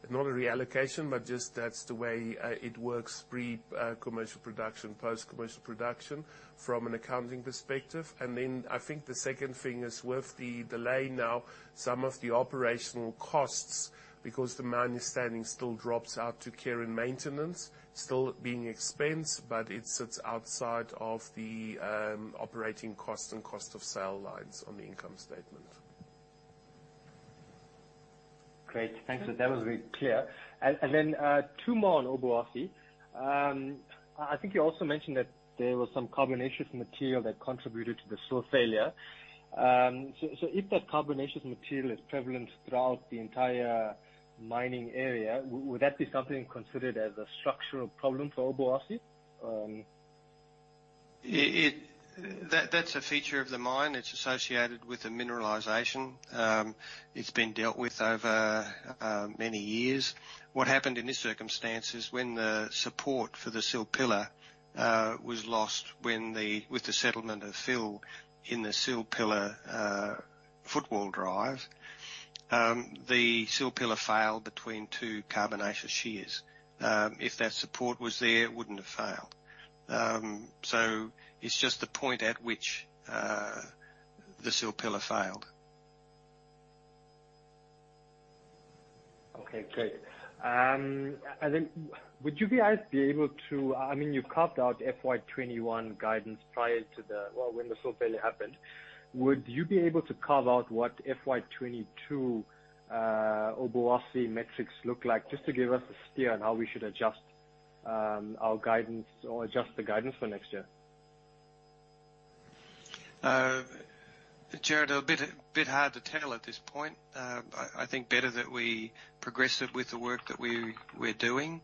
not a reallocation, but just that's the way it works pre-commercial production, post-commercial production from an accounting perspective. I think the second thing is with the delay now, some of the operational costs, because the manning standing still drops out to care and maintenance still being expensed, but it sits outside of the operating cost and cost of sale lines on the income statement. Great. Thanks. That was very clear. Two more on Obuasi. I think you also mentioned that there was some carbonaceous material that contributed to the sill failure. If that carbonaceous material is prevalent throughout the entire mining area, would that be something considered as a structural problem for Obuasi? That's a feature of the mine. It's associated with the mineralization. It's been dealt with over many years. What happened in this circumstance is when the support for the sill pillar was lost with the settlement of fill in the sill pillar footwall drive, the sill pillar failed between two carbonaceous shears. If that support was there, it wouldn't have failed. It's just the point at which the sill pillar failed. Okay, great. You carved out FY 2021 guidance prior to when the sill failure happened. Would you be able to carve out what FY 2022 Obuasi metrics look like? Just to give us a steer on how we should adjust our guidance or adjust the guidance for next year. Jared, a bit hard to tell at this point. I think better that we progress it with the work that we're doing,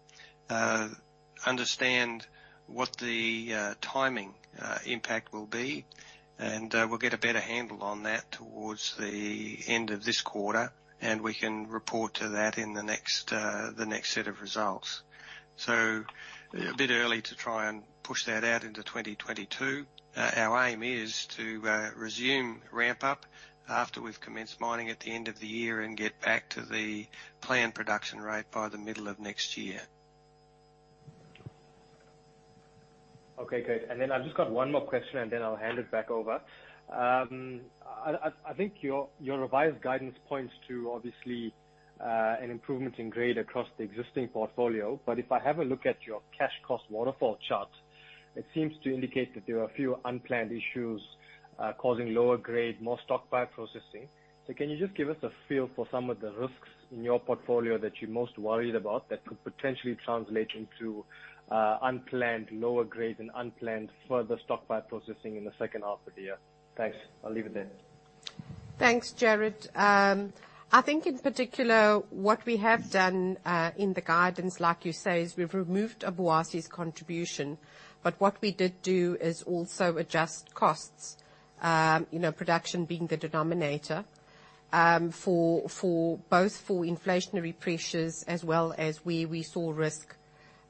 understand what the timing impact will be, and we'll get a better handle on that towards the end of this quarter, and we can report to that in the next set of results. A bit early to try and push that out into 2022. Our aim is to resume ramp up after we've commenced mining at the end of the year and get back to the planned production rate by the middle of next year. Okay, good. I've just got one more question, and then I'll hand it back over. I think your revised guidance points to obviously, an improvement in grade across the existing portfolio. If I have a look at your cash cost waterfall chart, it seems to indicate that there are a few unplanned issues, causing lower grade, more stock by processing. Can you just give us a feel for some of the risks in your portfolio that you're most worried about that could potentially translate into unplanned lower grade and unplanned further stock by processing in the second half of the year? Thanks. I'll leave it there. Thanks, Jared. I think in particular, what we have done in the guidance, like you say, is we've removed Obuasi's contribution, but what we did do is also adjust costs, production being the denominator, both for inflationary pressures as well as where we saw risk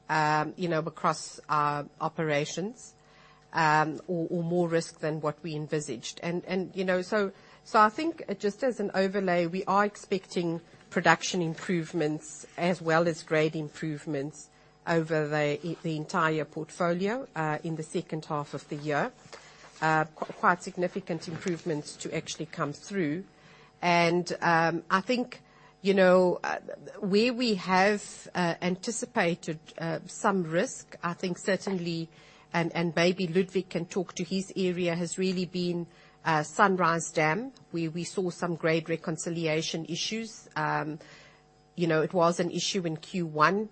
across our operations, or more risk than what we envisaged. I think just as an overlay, we are expecting production improvements as well as grade improvements over the entire portfolio, in the second half of the year. Quite significant improvements to actually come through. I think where we have anticipated some risk, I think certainly, and maybe Ludwig can talk to his area, has really been Sunrise Dam, where we saw some grade reconciliation issues. It was an issue in Q1.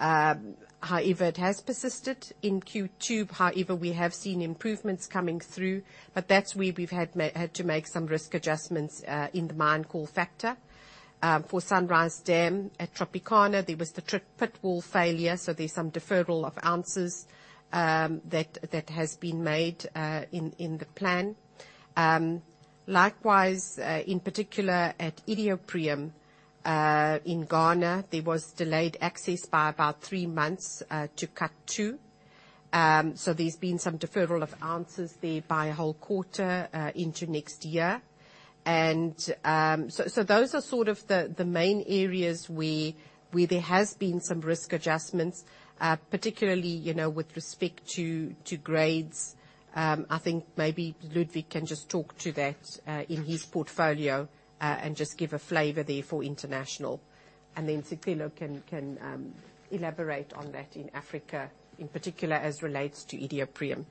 It has persisted in Q2. We have seen improvements coming through. That's where we've had to make some risk adjustments, in the mine call factor. For Sunrise Dam at Tropicana, there was the pit wall failure, so there's some deferral of ounces that has been made in the plan. Likewise, in particular at Iduapriem, in Ghana, there was delayed access by about three months to Cut 2. There's been some deferral of ounces there by a whole quarter into next year. Those are sort of the main areas where there has been some risk adjustments, particularly, with respect to grades. I think maybe Ludwig can just talk to that, in his portfolio, and just give a flavor there for international. Sicelo can elaborate on that in Africa, in particular as relates to Iduapriem.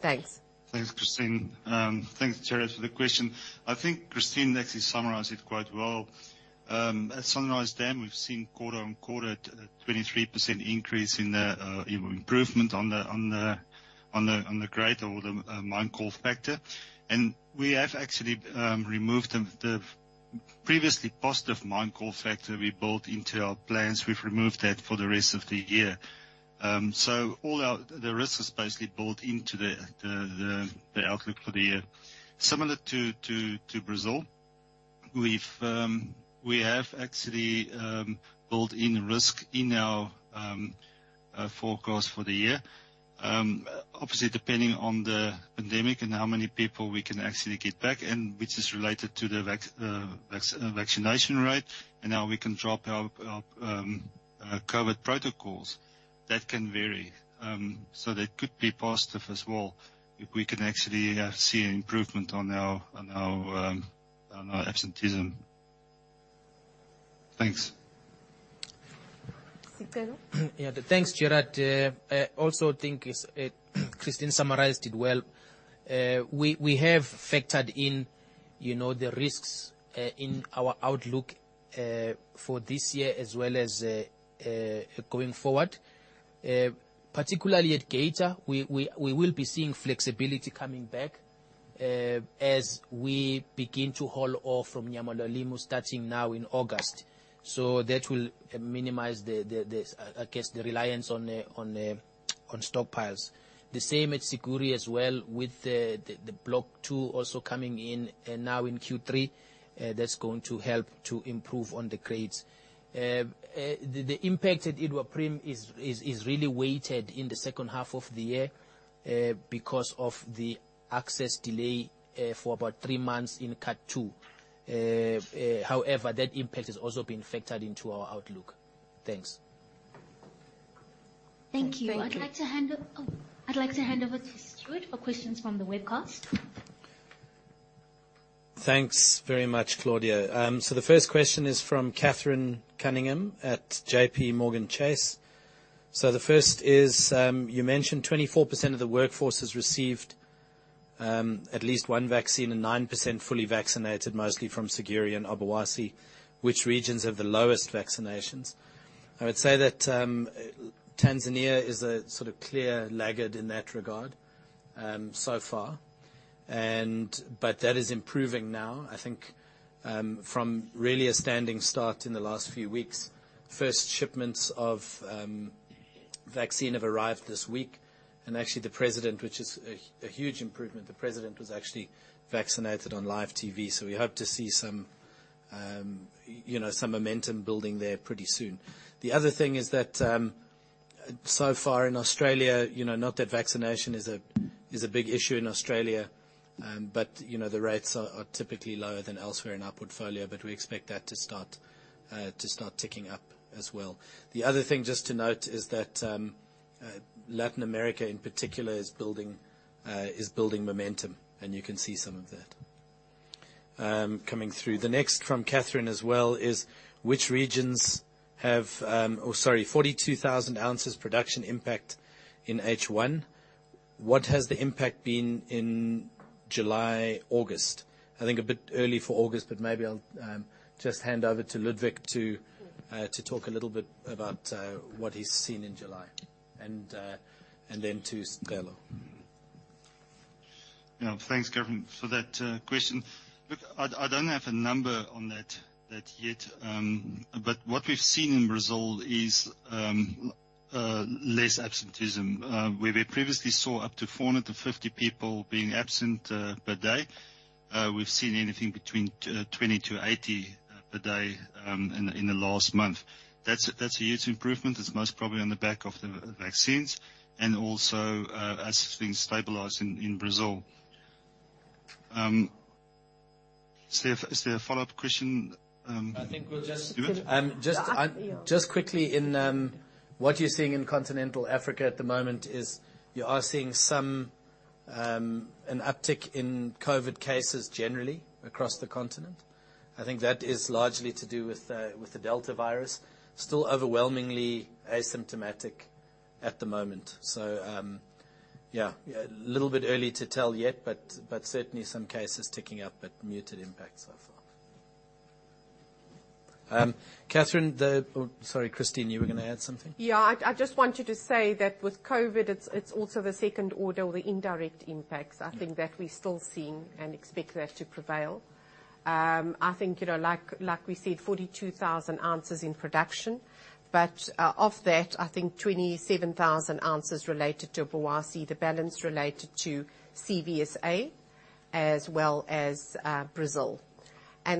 Thanks. Thanks, Christine. Thanks, Jared, for the question. I think Christine actually summarized it quite well. At Sunrise Dam, we've seen quarter-on-quarter, a 23% increase in improvement on the grade or the mine call factor. We have actually removed the previously positive mine call factor we built into our plans. We've removed that for the rest of the year. All the risks is basically built into the outlook for the year. Similar to Brazil, we have actually built in risk in our forecast for the year. Obviously, depending on the pandemic and how many people we can actually get back, and which is related to the vaccination rate and how we can drop our COVID protocols. That can vary. That could be positive as well, if we can actually see an improvement on our absenteeism. Thanks. Sicelo? Yeah. Thanks, Jared. I also think Christine summarized it well. We have factored in the risks in our outlook for this year as well as going forward. Particularly at Geita, we will be seeing flexibility coming back as we begin to haul off from Nyamulilima starting now in August. That will minimize the reliance on stockpiles. The same at Siguiri as well with the Block 2 also coming in now in Q3. That's going to help to improve on the grades. The impact at Iduapriem is really weighted in the second half of the year, because of the access delay for about three months in Cut 2. However, that impact has also been factored into our outlook. Thanks. Thank you. I'd like to hand over to Stewart for questions from the webcast. Thanks very much, Claudia. The first question is from Catherine Cunningham at JPMorgan Chase. The first is, you mentioned 24% of the workforce has received at least one vaccine and 9% fully vaccinated, mostly from Siguiri and Obuasi. Which regions have the lowest vaccinations? I would say that Tanzania is a sort of clear laggard in that regard so far. That is improving now. I think from really a standing start in the last few weeks. First shipments of vaccine have arrived this week, which is a huge improvement. The president was actually vaccinated on live TV. We hope to see some momentum building there pretty soon. The other thing is that so far in Australia, not that vaccination is a big issue in Australia. The rates are typically lower than elsewhere in our portfolio. We expect that to start ticking up as well. The other thing just to note is that Latin America in particular is building momentum, and you can see some of that coming through. The next from Catherine as well is, 42,000 ounces production impact in H1. What has the impact been in July, August? I think a bit early for August, but maybe I'll just hand over to Ludwig to talk a little bit about what he's seen in July and then to Sicelo. Yeah, thanks, Catherine, for that question. Look, I don't have a number on that yet, but what we've seen in Brazil is less absenteeism. Where we previously saw up to 450 people being absent per day, we've seen anything between 20-80 per day in the last month. That's a huge improvement. It's most probably on the back of the vaccines and also as things stabilize in Brazil. Is there a follow-up question? I think we'll just-- Stewart? Just quickly, what you're seeing in continental Africa at the moment is you are seeing an uptick in COVID-19 cases generally across the continent. I think that is largely to do with the Delta. Still overwhelmingly asymptomatic at the moment. Yeah, a little bit early to tell yet, but certainly some cases ticking up, but muted impacts so far. Catherine, Sorry, Christine, you were going to add something. I just wanted to say that with COVID-19, it's also the second order or the indirect impacts, I think that we're still seeing and expect that to prevail. I think, like we said, 42,000 ounces in production. Of that, I think 27,000 ounces related to Obuasi, the balance related to CVSA as well as Brazil. I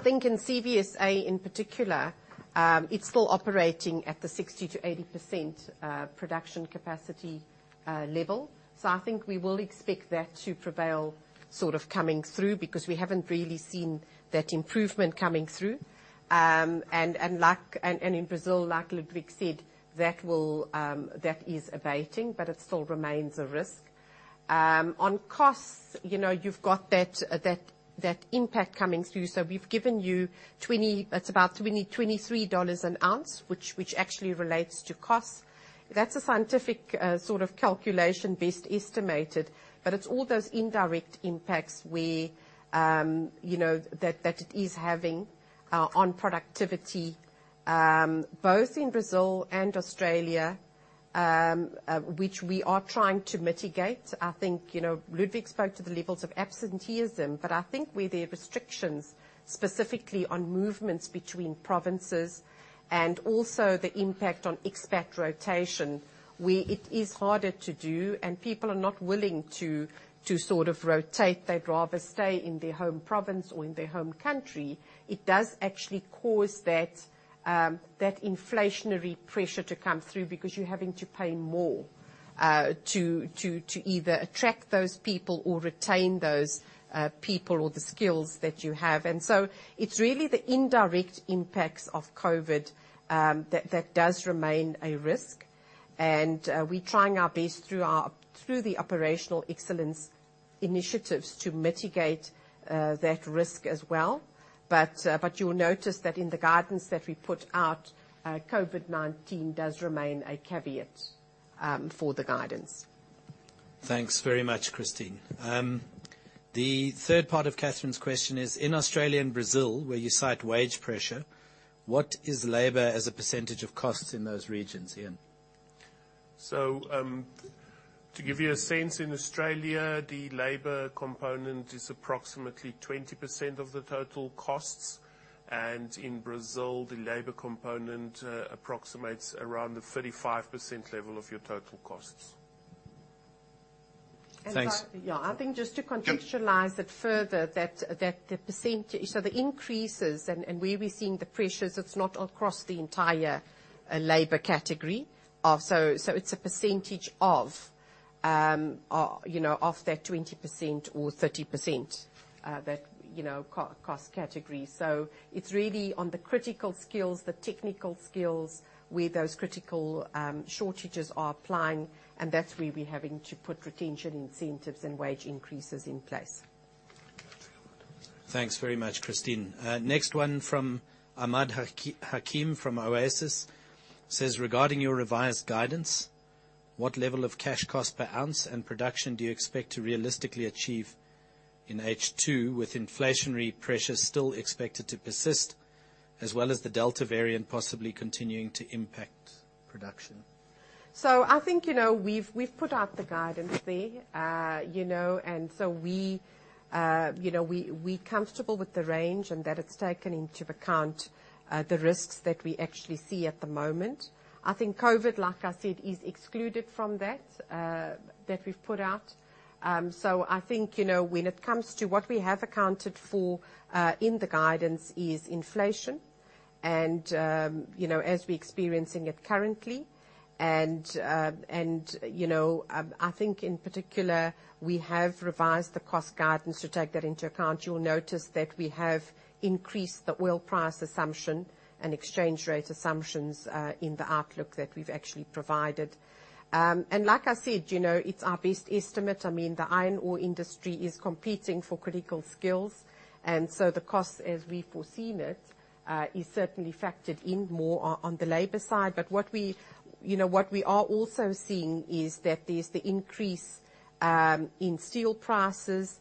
think in CVSA in particular, it's still operating at the 60%-80% production capacity level. I think we will expect that to prevail sort of coming through because we haven't really seen that improvement coming through. In Brazil, like Ludwig said, that is abating, but it still remains a risk. On costs, you've got that impact coming through. We've given you about $23 an ounce, which actually relates to costs. That's a scientific sort of calculation, best estimated. It's all those indirect impacts that it is having on productivity, both in Brazil and Australia, which we are trying to mitigate. I think Ludwig spoke to the levels of absenteeism. I think where there are restrictions, specifically on movements between provinces and also the impact on expat rotation, where it is harder to do and people are not willing to sort of rotate. They'd rather stay in their home province or in their home country. It does actually cause that inflationary pressure to come through because you're having to pay more to either attract those people or retain those people or the skills that you have. It's really the indirect impacts of COVID that does remain a risk. We're trying our best through the operational excellence initiatives to mitigate that risk as well. You'll notice that in the guidance that we put out, COVID-19 does remain a caveat for the guidance. Thanks very much, Christine. The third part of Catherine's question is, in Australia and Brazil, where you cite wage pressure, what is labor as a percentage of costs in those regions, Ian? To give you a sense, in Australia, the labor component is approximately 20% of the total costs, and in Brazil, the labor component approximates around the 35% level of your total costs. Thanks. Yeah, I think just to contextualize it further, the increases and where we're seeing the pressures, it's not across the entire labor category. It's a percentage of that 20% or 30% cost category. It's really on the critical skills, the technical skills, where those critical shortages are applying, and that's where we're having to put retention incentives and wage increases in place. Thanks very much, Christine. Next one from Ahmad Hakim from Oasis says, "Regarding your revised guidance, what level of cash cost per ounce and production do you expect to realistically achieve in H2 with inflationary pressure still expected to persist, as well as the Delta variant possibly continuing to impact production? I think we've put out the guidance there. We're comfortable with the range and that it's taken into account the risks that we actually see at the moment. I think COVID, like I said, is excluded from that we've put out. I think, when it comes to what we have accounted for in the guidance is inflation and as we're experiencing it currently. I think, in particular, we have revised the cost guidance to take that into account. You'll notice that we have increased the oil price assumption and exchange rate assumptions in the outlook that we've actually provided. Like I said, it's our best estimate. The iron ore industry is competing for critical skills, and so the cost, as we've foreseen it, is certainly factored in more on the labor side. What we are also seeing is that there's the increase in steel prices.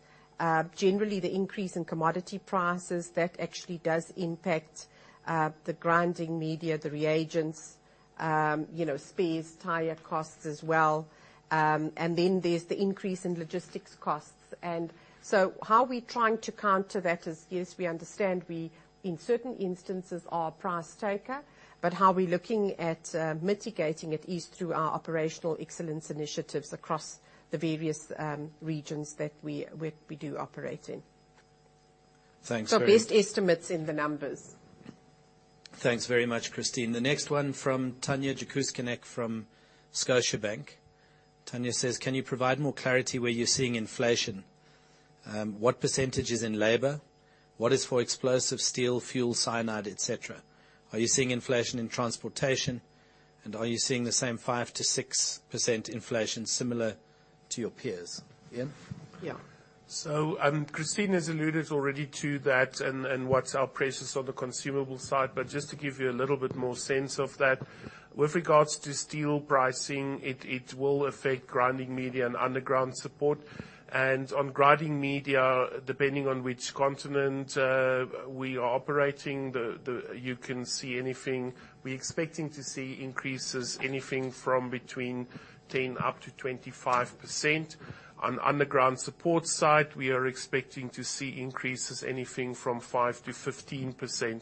Generally, the increase in commodity prices, that actually does impact the grinding media, the reagents, spares, tire costs as well. Then there's the increase in logistics costs. So how we're trying to counter that is, yes, we understand we, in certain instances, are a price taker, but how we're looking at mitigating it is through our operational excellence initiatives across the various regions that we do operate in. Thanks very much. Best estimates in the numbers. Thanks very much, Christine. The next one from Tanya Jakusconek from Scotiabank. Tanya says, "Can you provide more clarity where you're seeing inflation? What percentage is in labor? What is for explosive steel, fuel, cyanide, et cetera? Are you seeing inflation in transportation, and are you seeing the same 5%-6% inflation similar to your peers?" Ian? Yeah. Christine has alluded already to that and what's our pressures on the consumable side. Just to give you a little bit more sense of that. With regards to steel pricing, it will affect grinding media and underground support. On grinding media, depending on which continent we are operating, you can see anything. We're expecting to see increases anything from between 10% up to 25%. On underground support side, we are expecting to see increases anything from 5%-15%.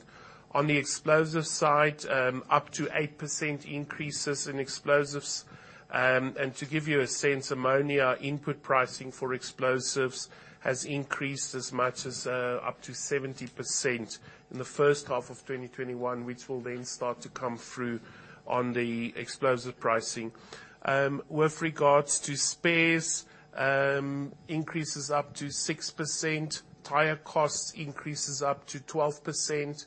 On the explosive side, up to 8% increases in explosives. To give you a sense, ammonia input pricing for explosives has increased as much as up to 70% in the first half of 2021, which will then start to come through on the explosive pricing. With regards to spares, increases up to 6%, higher costs increases up to 12%.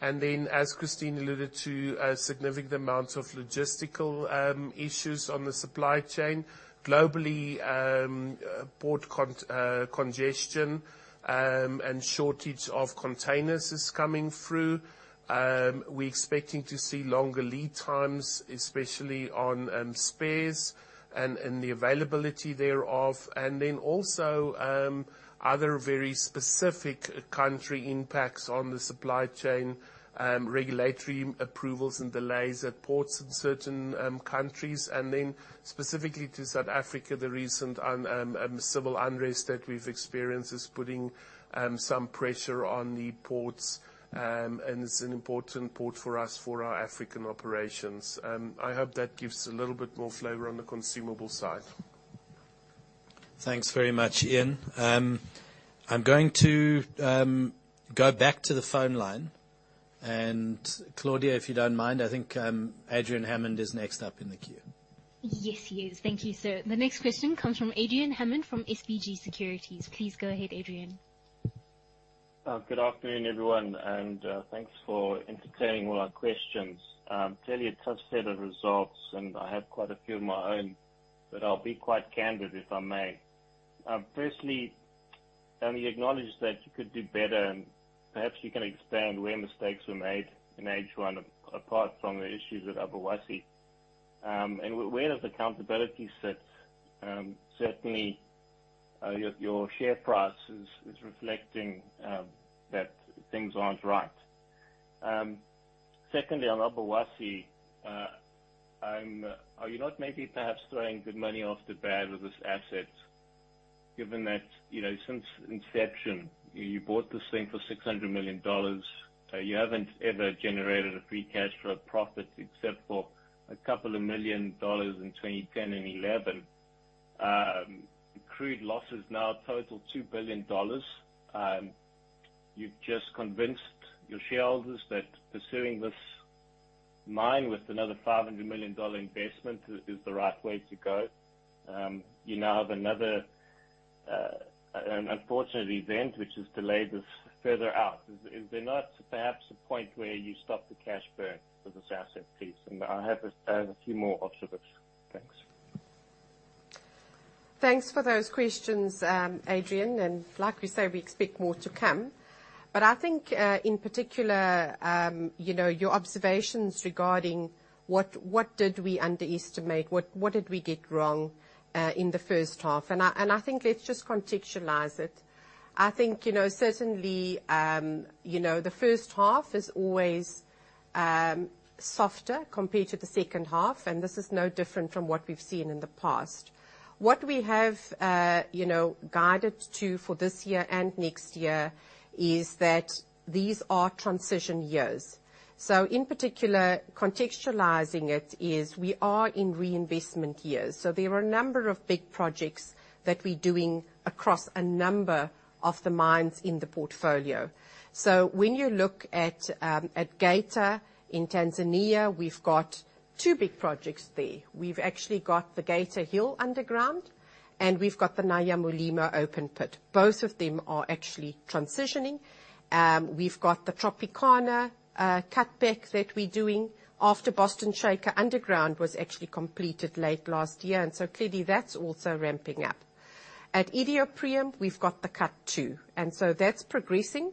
Then, as Christine alluded to, a significant amount of logistical issues on the supply chain. Globally, port congestion and shortage of containers is coming through. We're expecting to see longer lead times, especially on spares and the availability thereof. Then also other very specific country impacts on the supply chain, regulatory approvals and delays at ports in certain countries. Then specifically to South Africa, the recent civil unrest that we've experienced is putting some pressure on the ports. It's an important port for us for our African operations. I hope that gives a little bit more flavor on the consumable side. Thanks very much, Ian. I'm going to go back to the phone line. Claudia, if you don't mind, I think Adrian Hammond is next up in the queue. Yes, he is. Thank you, sir. The next question comes from Adrian Hammond from SBG Securities. Please go ahead, Adrian. Good afternoon, everyone. Thanks for entertaining all our questions. Clearly a tough set of results. I have quite a few of my own. I'll be quite candid, if I may. Firstly, I mean, you acknowledged that you could do better. Perhaps you can expand where mistakes were made in H1 apart from the issues at Obuasi. Where does accountability sit? Certainly, your share price is reflecting that things aren't right. Secondly, on Obuasi, are you not maybe perhaps throwing good money after bad with this asset? Given that since inception, you bought this thing for $600 million. You haven't ever generated a free cash flow profit except for a couple of million dollars in 2010 and 2011. Accrued losses now total $2 billion. You've just convinced your shareholders that pursuing this mine with another $500 million investment is the right way to go. You now have another unfortunate event, which has delayed this further out. Is there not perhaps a point where you stop the cash burn for this asset, please? I have a few more observations. Thanks. Thanks for those questions, Adrian, and like we say, we expect more to come. I think, in particular, your observations regarding what did we underestimate, what did we get wrong in the first half? I think let's just contextualize it. I think, certainly, the first half is always softer compared to the second half, and this is no different from what we've seen in the past. What we have guided to for this year and next year is that these are transition years. In particular, contextualizing it is we are in reinvestment years. There are a number of big projects that we're doing across a number of the mines in the portfolio. When you look at Geita in Tanzania, we've got two big projects there. We've actually got the Geita Hill Underground, and we've got the Nyamulilima Open Pit. Both of them are actually transitioning. We've got the Tropicana cutback that we're doing after Boston Shaker Underground was actually completed late last year. Clearly that's also ramping up. At Iduapriem, we've got the Cut 2, and so that's progressing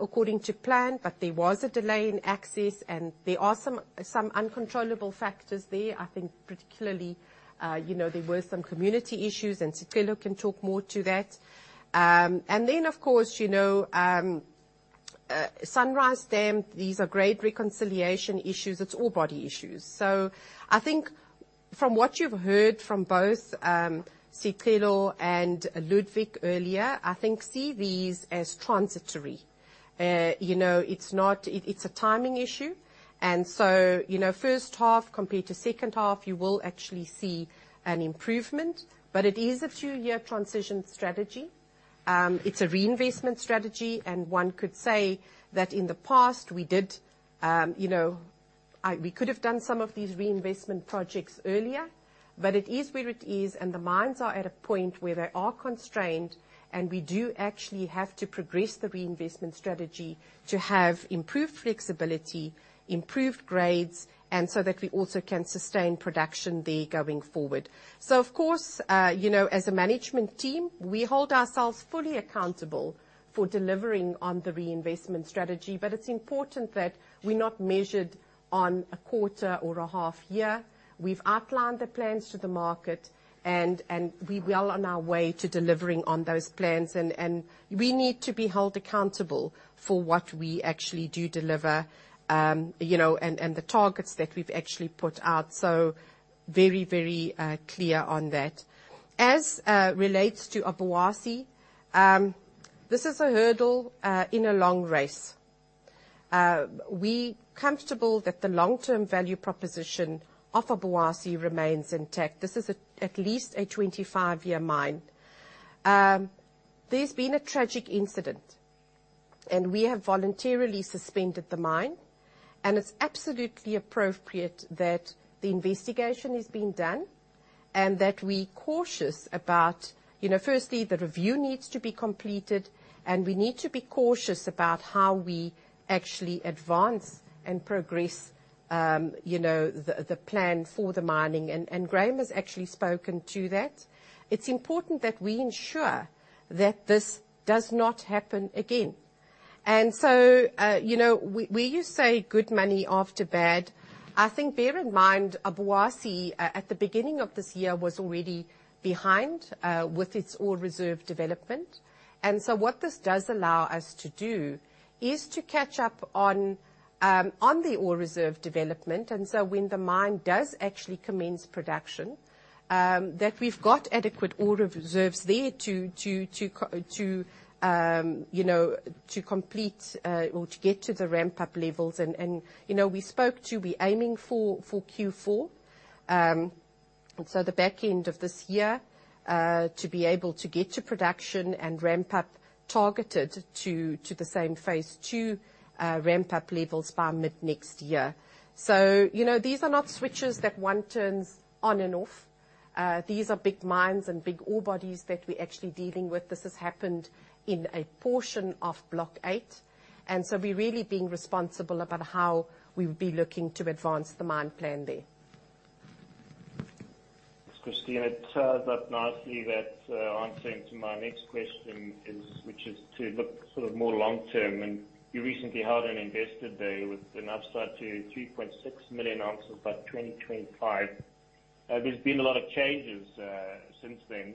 according to plan, but there was a delay in access and there are some uncontrollable factors there. I think particularly, there were some community issues, and Sicelo can talk more to that. Of course, Sunrise Dam, these are great reconciliation issues. It's ore body issues. I think from what you've heard from both Sicelo and Ludwig earlier, I think see these as transitory. It's a timing issue. First half compared to second half, you will actually see an improvement. It is a two-year transition strategy. It's a reinvestment strategy. One could say that in the past we could have done some of these reinvestment projects earlier, but it is where it is. The mines are at a point where they are constrained. We do actually have to progress the reinvestment strategy to have improved flexibility, improved grades, so that we also can sustain production there going forward. Of course, as a management team, we hold ourselves fully accountable for delivering on the reinvestment strategy. It's important that we're not measured on a quarter or a half year. We've outlined the plans to the market. We are on our way to delivering on those plans. We need to be held accountable for what we actually do deliver, and the targets that we've actually put out. Very clear on that. As relates to Obuasi, this is a hurdle in a long race. We comfortable that the long-term value proposition of Obuasi remains intact. This is at least a 25-year mine. There's been a tragic incident, and we have voluntarily suspended the mine, and it's absolutely appropriate that the investigation is being done, and that we cautious about, firstly, the review needs to be completed, and we need to be cautious about how we actually advance and progress the plan for the mining. Graham has actually spoken to that. It's important that we ensure that this does not happen again. Where you say good money after bad, I think bear in mind, Obuasi, at the beginning of this year, was already behind with its ore reserve development. What this does allow us to do is to catch up on the ore reserve development. When the mine does actually commence production, we've got adequate ore reserves there to complete or to get to the ramp-up levels. We spoke to be aiming for Q4, the back end of this year, to be able to get to production and ramp up targeted to the same phase II ramp-up levels by mid-next year. These are not switches that one turns on and off. These are big mines and big ore bodies that we're actually dealing with. This has happened in a portion of Block 8, we're really being responsible about how we'll be looking to advance the mine plan there. Thanks, Christine. It ties up nicely that answering to my next question, which is to look more long-term. You recently held an investor day with an upside to 3.6 million ounces by 2025. There's been a lot of changes since then.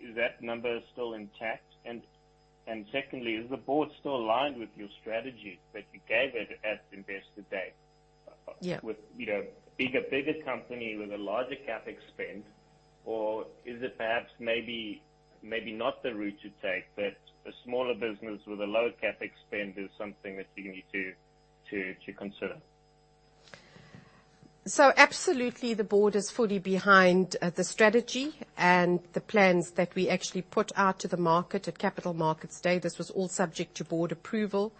Is that number still intact? Secondly, is the board still aligned with your strategy that you gave it at the Investor Day? Yeah. With a bigger company with a larger CapEx spend, or is it perhaps maybe not the route to take, but a smaller business with a lower CapEx spend is something that you need to consider? Absolutely, the board is fully behind the strategy and the plans that we actually put out to the market at Capital Markets Day. This was all subject to board approval.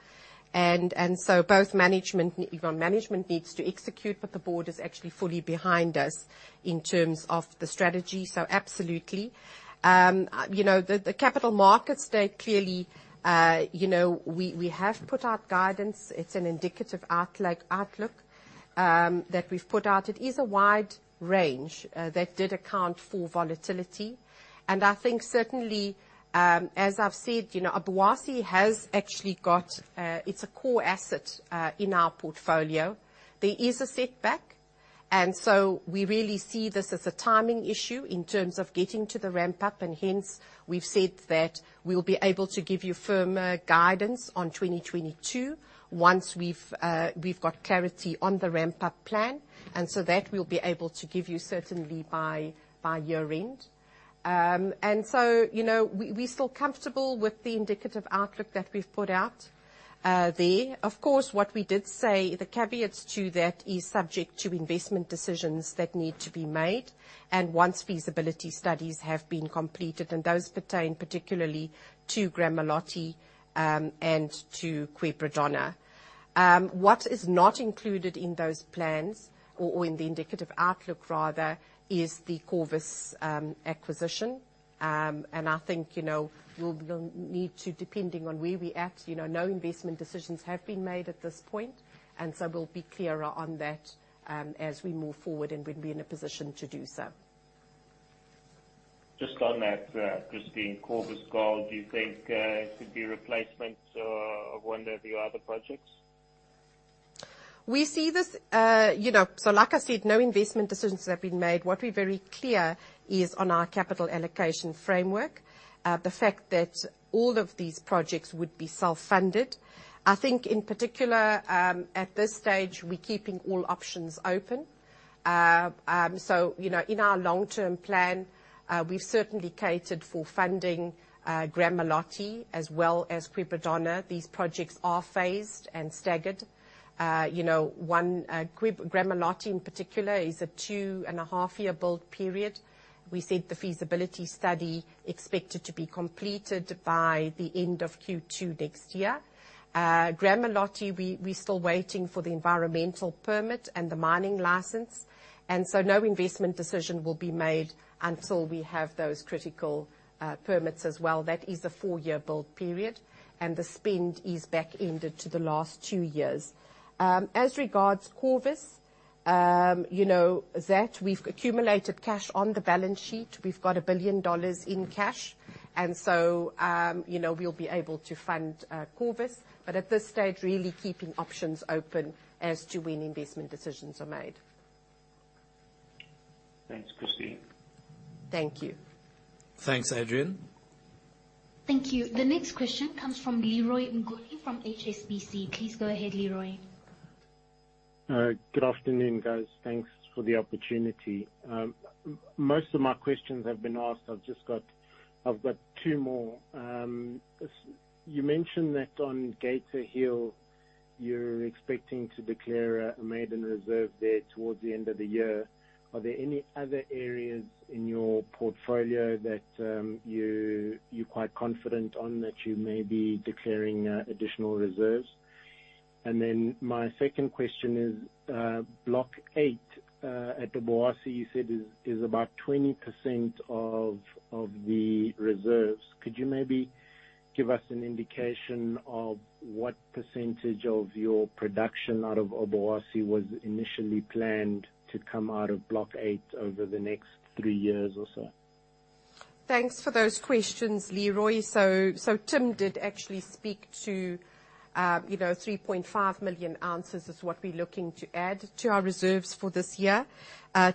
Both management needs to execute, but the board is actually fully behind us in terms of the strategy. Absolutely. The Capital Markets Day, clearly, we have put out guidance. It's an indicative outlook that we've put out. It is a wide range, that did account for volatility. I think certainly, as I've said, Obuasi, it's a core asset in our portfolio. There is a setback, and so we really see this as a timing issue in terms of getting to the ramp-up, and hence we've said that we'll be able to give you firmer guidance on 2022 once we've got clarity on the ramp-up plan. That we'll be able to give you certainly by year-end. We're still comfortable with the indicative outlook that we've put out there. Of course, what we did say, the caveats to that is subject to investment decisions that need to be made and once feasibility studies have been completed, and those pertain particularly to Gramalote and to Quebradona. What is not included in those plans or in the indicative outlook rather, is the Corvus acquisition. I think we'll need to, depending on where we're at, no investment decisions have been made at this point, so we'll be clearer on that as we move forward and we'd be in a position to do so. Just on that, Christine, Corvus Gold, do you think could be replacement of one of your other projects? Like I said, no investment decisions have been made. What we're very clear is on our capital allocation framework. The fact that all of these projects would be self-funded. I think in particular, at this stage, we're keeping all options open. In our long-term plan, we've certainly catered for funding Gramalote as well as Quebradona. These projects are phased and staggered. Gramalote in particular is a 2.5-year build period. We said the feasibility study expected to be completed by the end of Q2 next year. Gramalote, we're still waiting for the environmental permit and the mining license. No investment decision will be made until we have those critical permits as well. That is a four-year build period, and the spend is back ended to the last two years. As regards Corvus, that we've accumulated cash on the balance sheet. We've got $1 billion in cash. We'll be able to fund Corvus, but at this stage, really keeping options open as to when investment decisions are made. Thanks, Christine. Thank you. Thanks, Adrian. Thank you. The next question comes from Leroy Mnguni from HSBC. Please go ahead, Leroy. Good afternoon, guys. Thanks for the opportunity. Most of my questions have been asked. I've got two more. You mentioned that on Geita Hill, you're expecting to declare a maiden reserve there towards the end of the year. Are there any other areas in your portfolio that you're quite confident on that you may be declaring additional reserves? My second question is, Block 8 at Obuasi, you said is about 20% of the reserves. Could you maybe give us an indication of what percentage of your production out of Obuasi was initially planned to come out of Block 8 over the next three years or so? Thanks for those questions, Leroy. Tim did actually speak to 3.5 million ounces is what we're looking to add to our reserves for this year.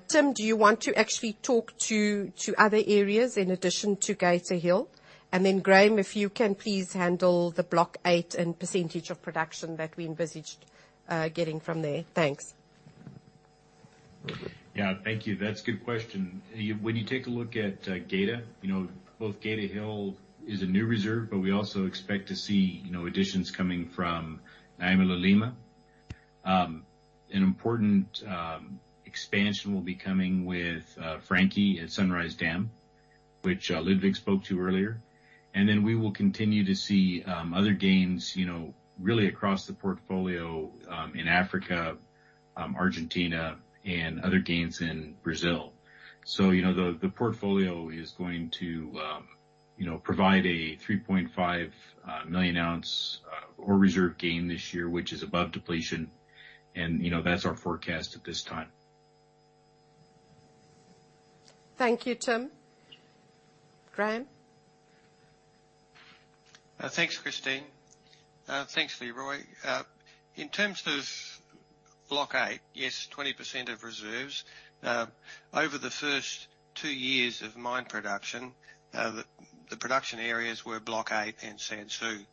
Tim, do you want to actually talk to other areas in addition to Geita Hill? Graham, if you can please handle the Block 8 and percentage of production that we envisaged getting from there. Thanks. Yeah. Thank you. That's a good question. When you take a look at Geita, both Geita Hill is a new reserve, but we also expect to see additions coming from Nyamulilima. An important expansion will be coming with Frankie at Sunrise Dam, which Ludwig spoke to earlier. Then we will continue to see other gains, really across the portfolio, in Africa, Argentina and other gains in Brazil. The portfolio is going to provide a 3.5 million ounce ore reserve gain this year, which is above depletion. That's our forecast at this time. Thank you, Tim. Graham? Thanks, Christine. Thanks, Leroy. In terms of Block 8, yes, 20% of reserves. Over the first two years of mine production, the production areas were Block 8 and Sansu.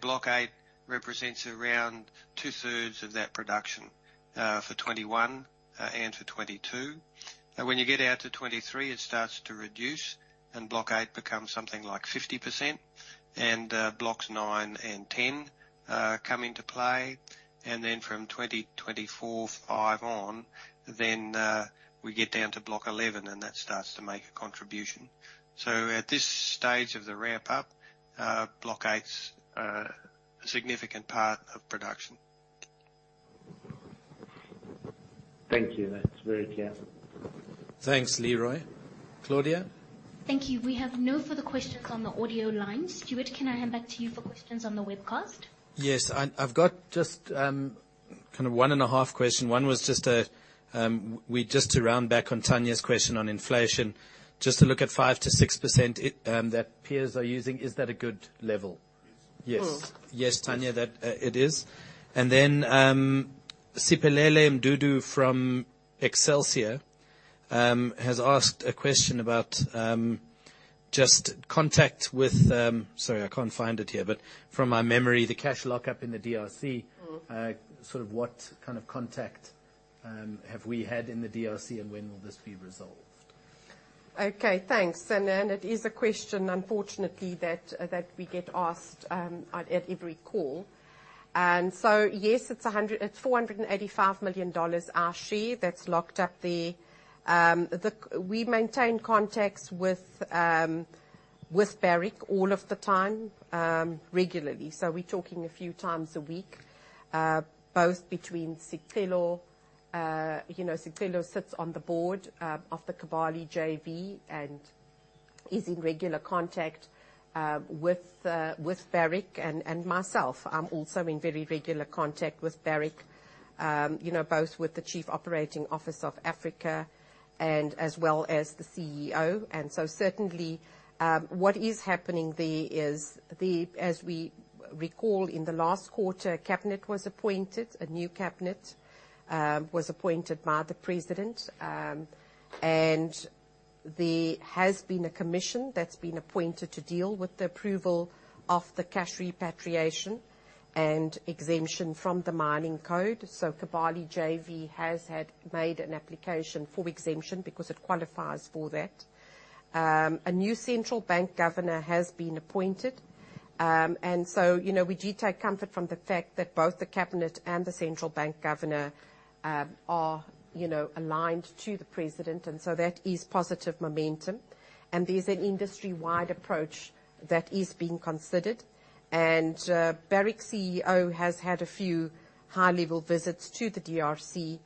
Block 8 represents around two-thirds of that production, for 2021 and for 2022. When you get out to 2023, it starts to reduce, and Block 8 becomes something like 50%, and Blocks 9 and 10 come into play. From 2024-2025 on, then we get down to Block 11, and that starts to make a contribution. At this stage of the ramp-up, Block 8's a significant part of production. Thank you. That's very clear. Thanks, Leroy. Claudia? Thank you. We have no further questions on the audio line. Stewart, can I hand back to you for questions on the webcast? Yes. I've got just one and a half question. One was just to round back on Tanya's question on inflation, just to look at 5%-6% that peers are using, is that a good level? Yes. Yes, Tanya, it is. Siphelele Mdudu from Excelsia has asked a question about just contact with Sorry, I can't find it here, but from my memory, the cash lockup in the DRC. Sort of what kind of contact have we had in the D.R.C., and when will this be resolved? Okay, thanks. It is a question, unfortunately, that we get asked at every call. Yes, it's $485 million our share that's locked up there. We maintain contacts with Barrick all of the time, regularly. We're talking a few times a week, both between Sicelo. Sicelo sits on the board of the Kibali JV and is in regular contact with Barrick and myself. I'm also in very regular contact with Barrick, both with the Chief Operating Officer of Africa and as well as the Chief Executive Officer. Certainly, what is happening there is, as we recall in the last quarter, a new cabinet was appointed by the president. There has been a commission that's been appointed to deal with the approval of the cash repatriation and exemption from the mining code. Kibali JV has made an application for exemption because it qualifies for that. A new central bank governor has been appointed. We do take comfort from the fact that both the cabinet and the central bank governor are aligned to the president, and so that is positive momentum. There's an industry-wide approach that is being considered. Barrick's Chief Executive Officer has had a few high-level visits to the DRC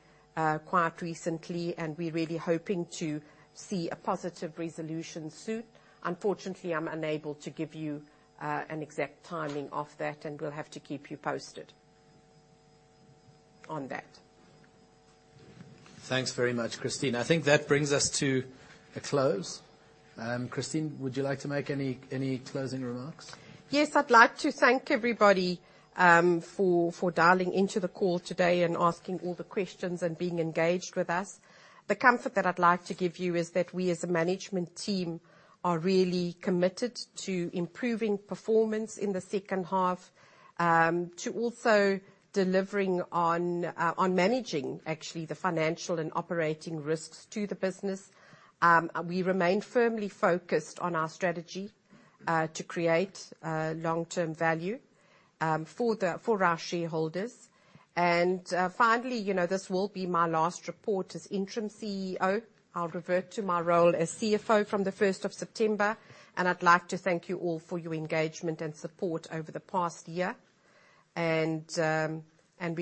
quite recently, and we're really hoping to see a positive resolution soon. Unfortunately, I'm unable to give you an exact timing of that, and we'll have to keep you posted on that. Thanks very much, Christine. I think that brings us to a close. Christine, would you like to make any closing remarks? Yes, I'd like to thank everybody for dialing into the call today and asking all the questions and being engaged with us. The comfort that I'd like to give you is that we, as a management team, are really committed to improving performance in the second half, to also delivering on managing, actually, the financial and operating risks to the business. We remain firmly focused on our strategy, to create long-term value for our shareholders. Finally, this will be my last report as interim Chief Executive Officer. I'll revert to my role as Chief Financial Officer from the 1st of September, and I'd like to thank you all for your engagement and support over the past year. We're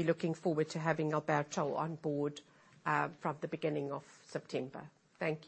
looking forward to having Alberto Calderón on board from the beginning of September. Thank you.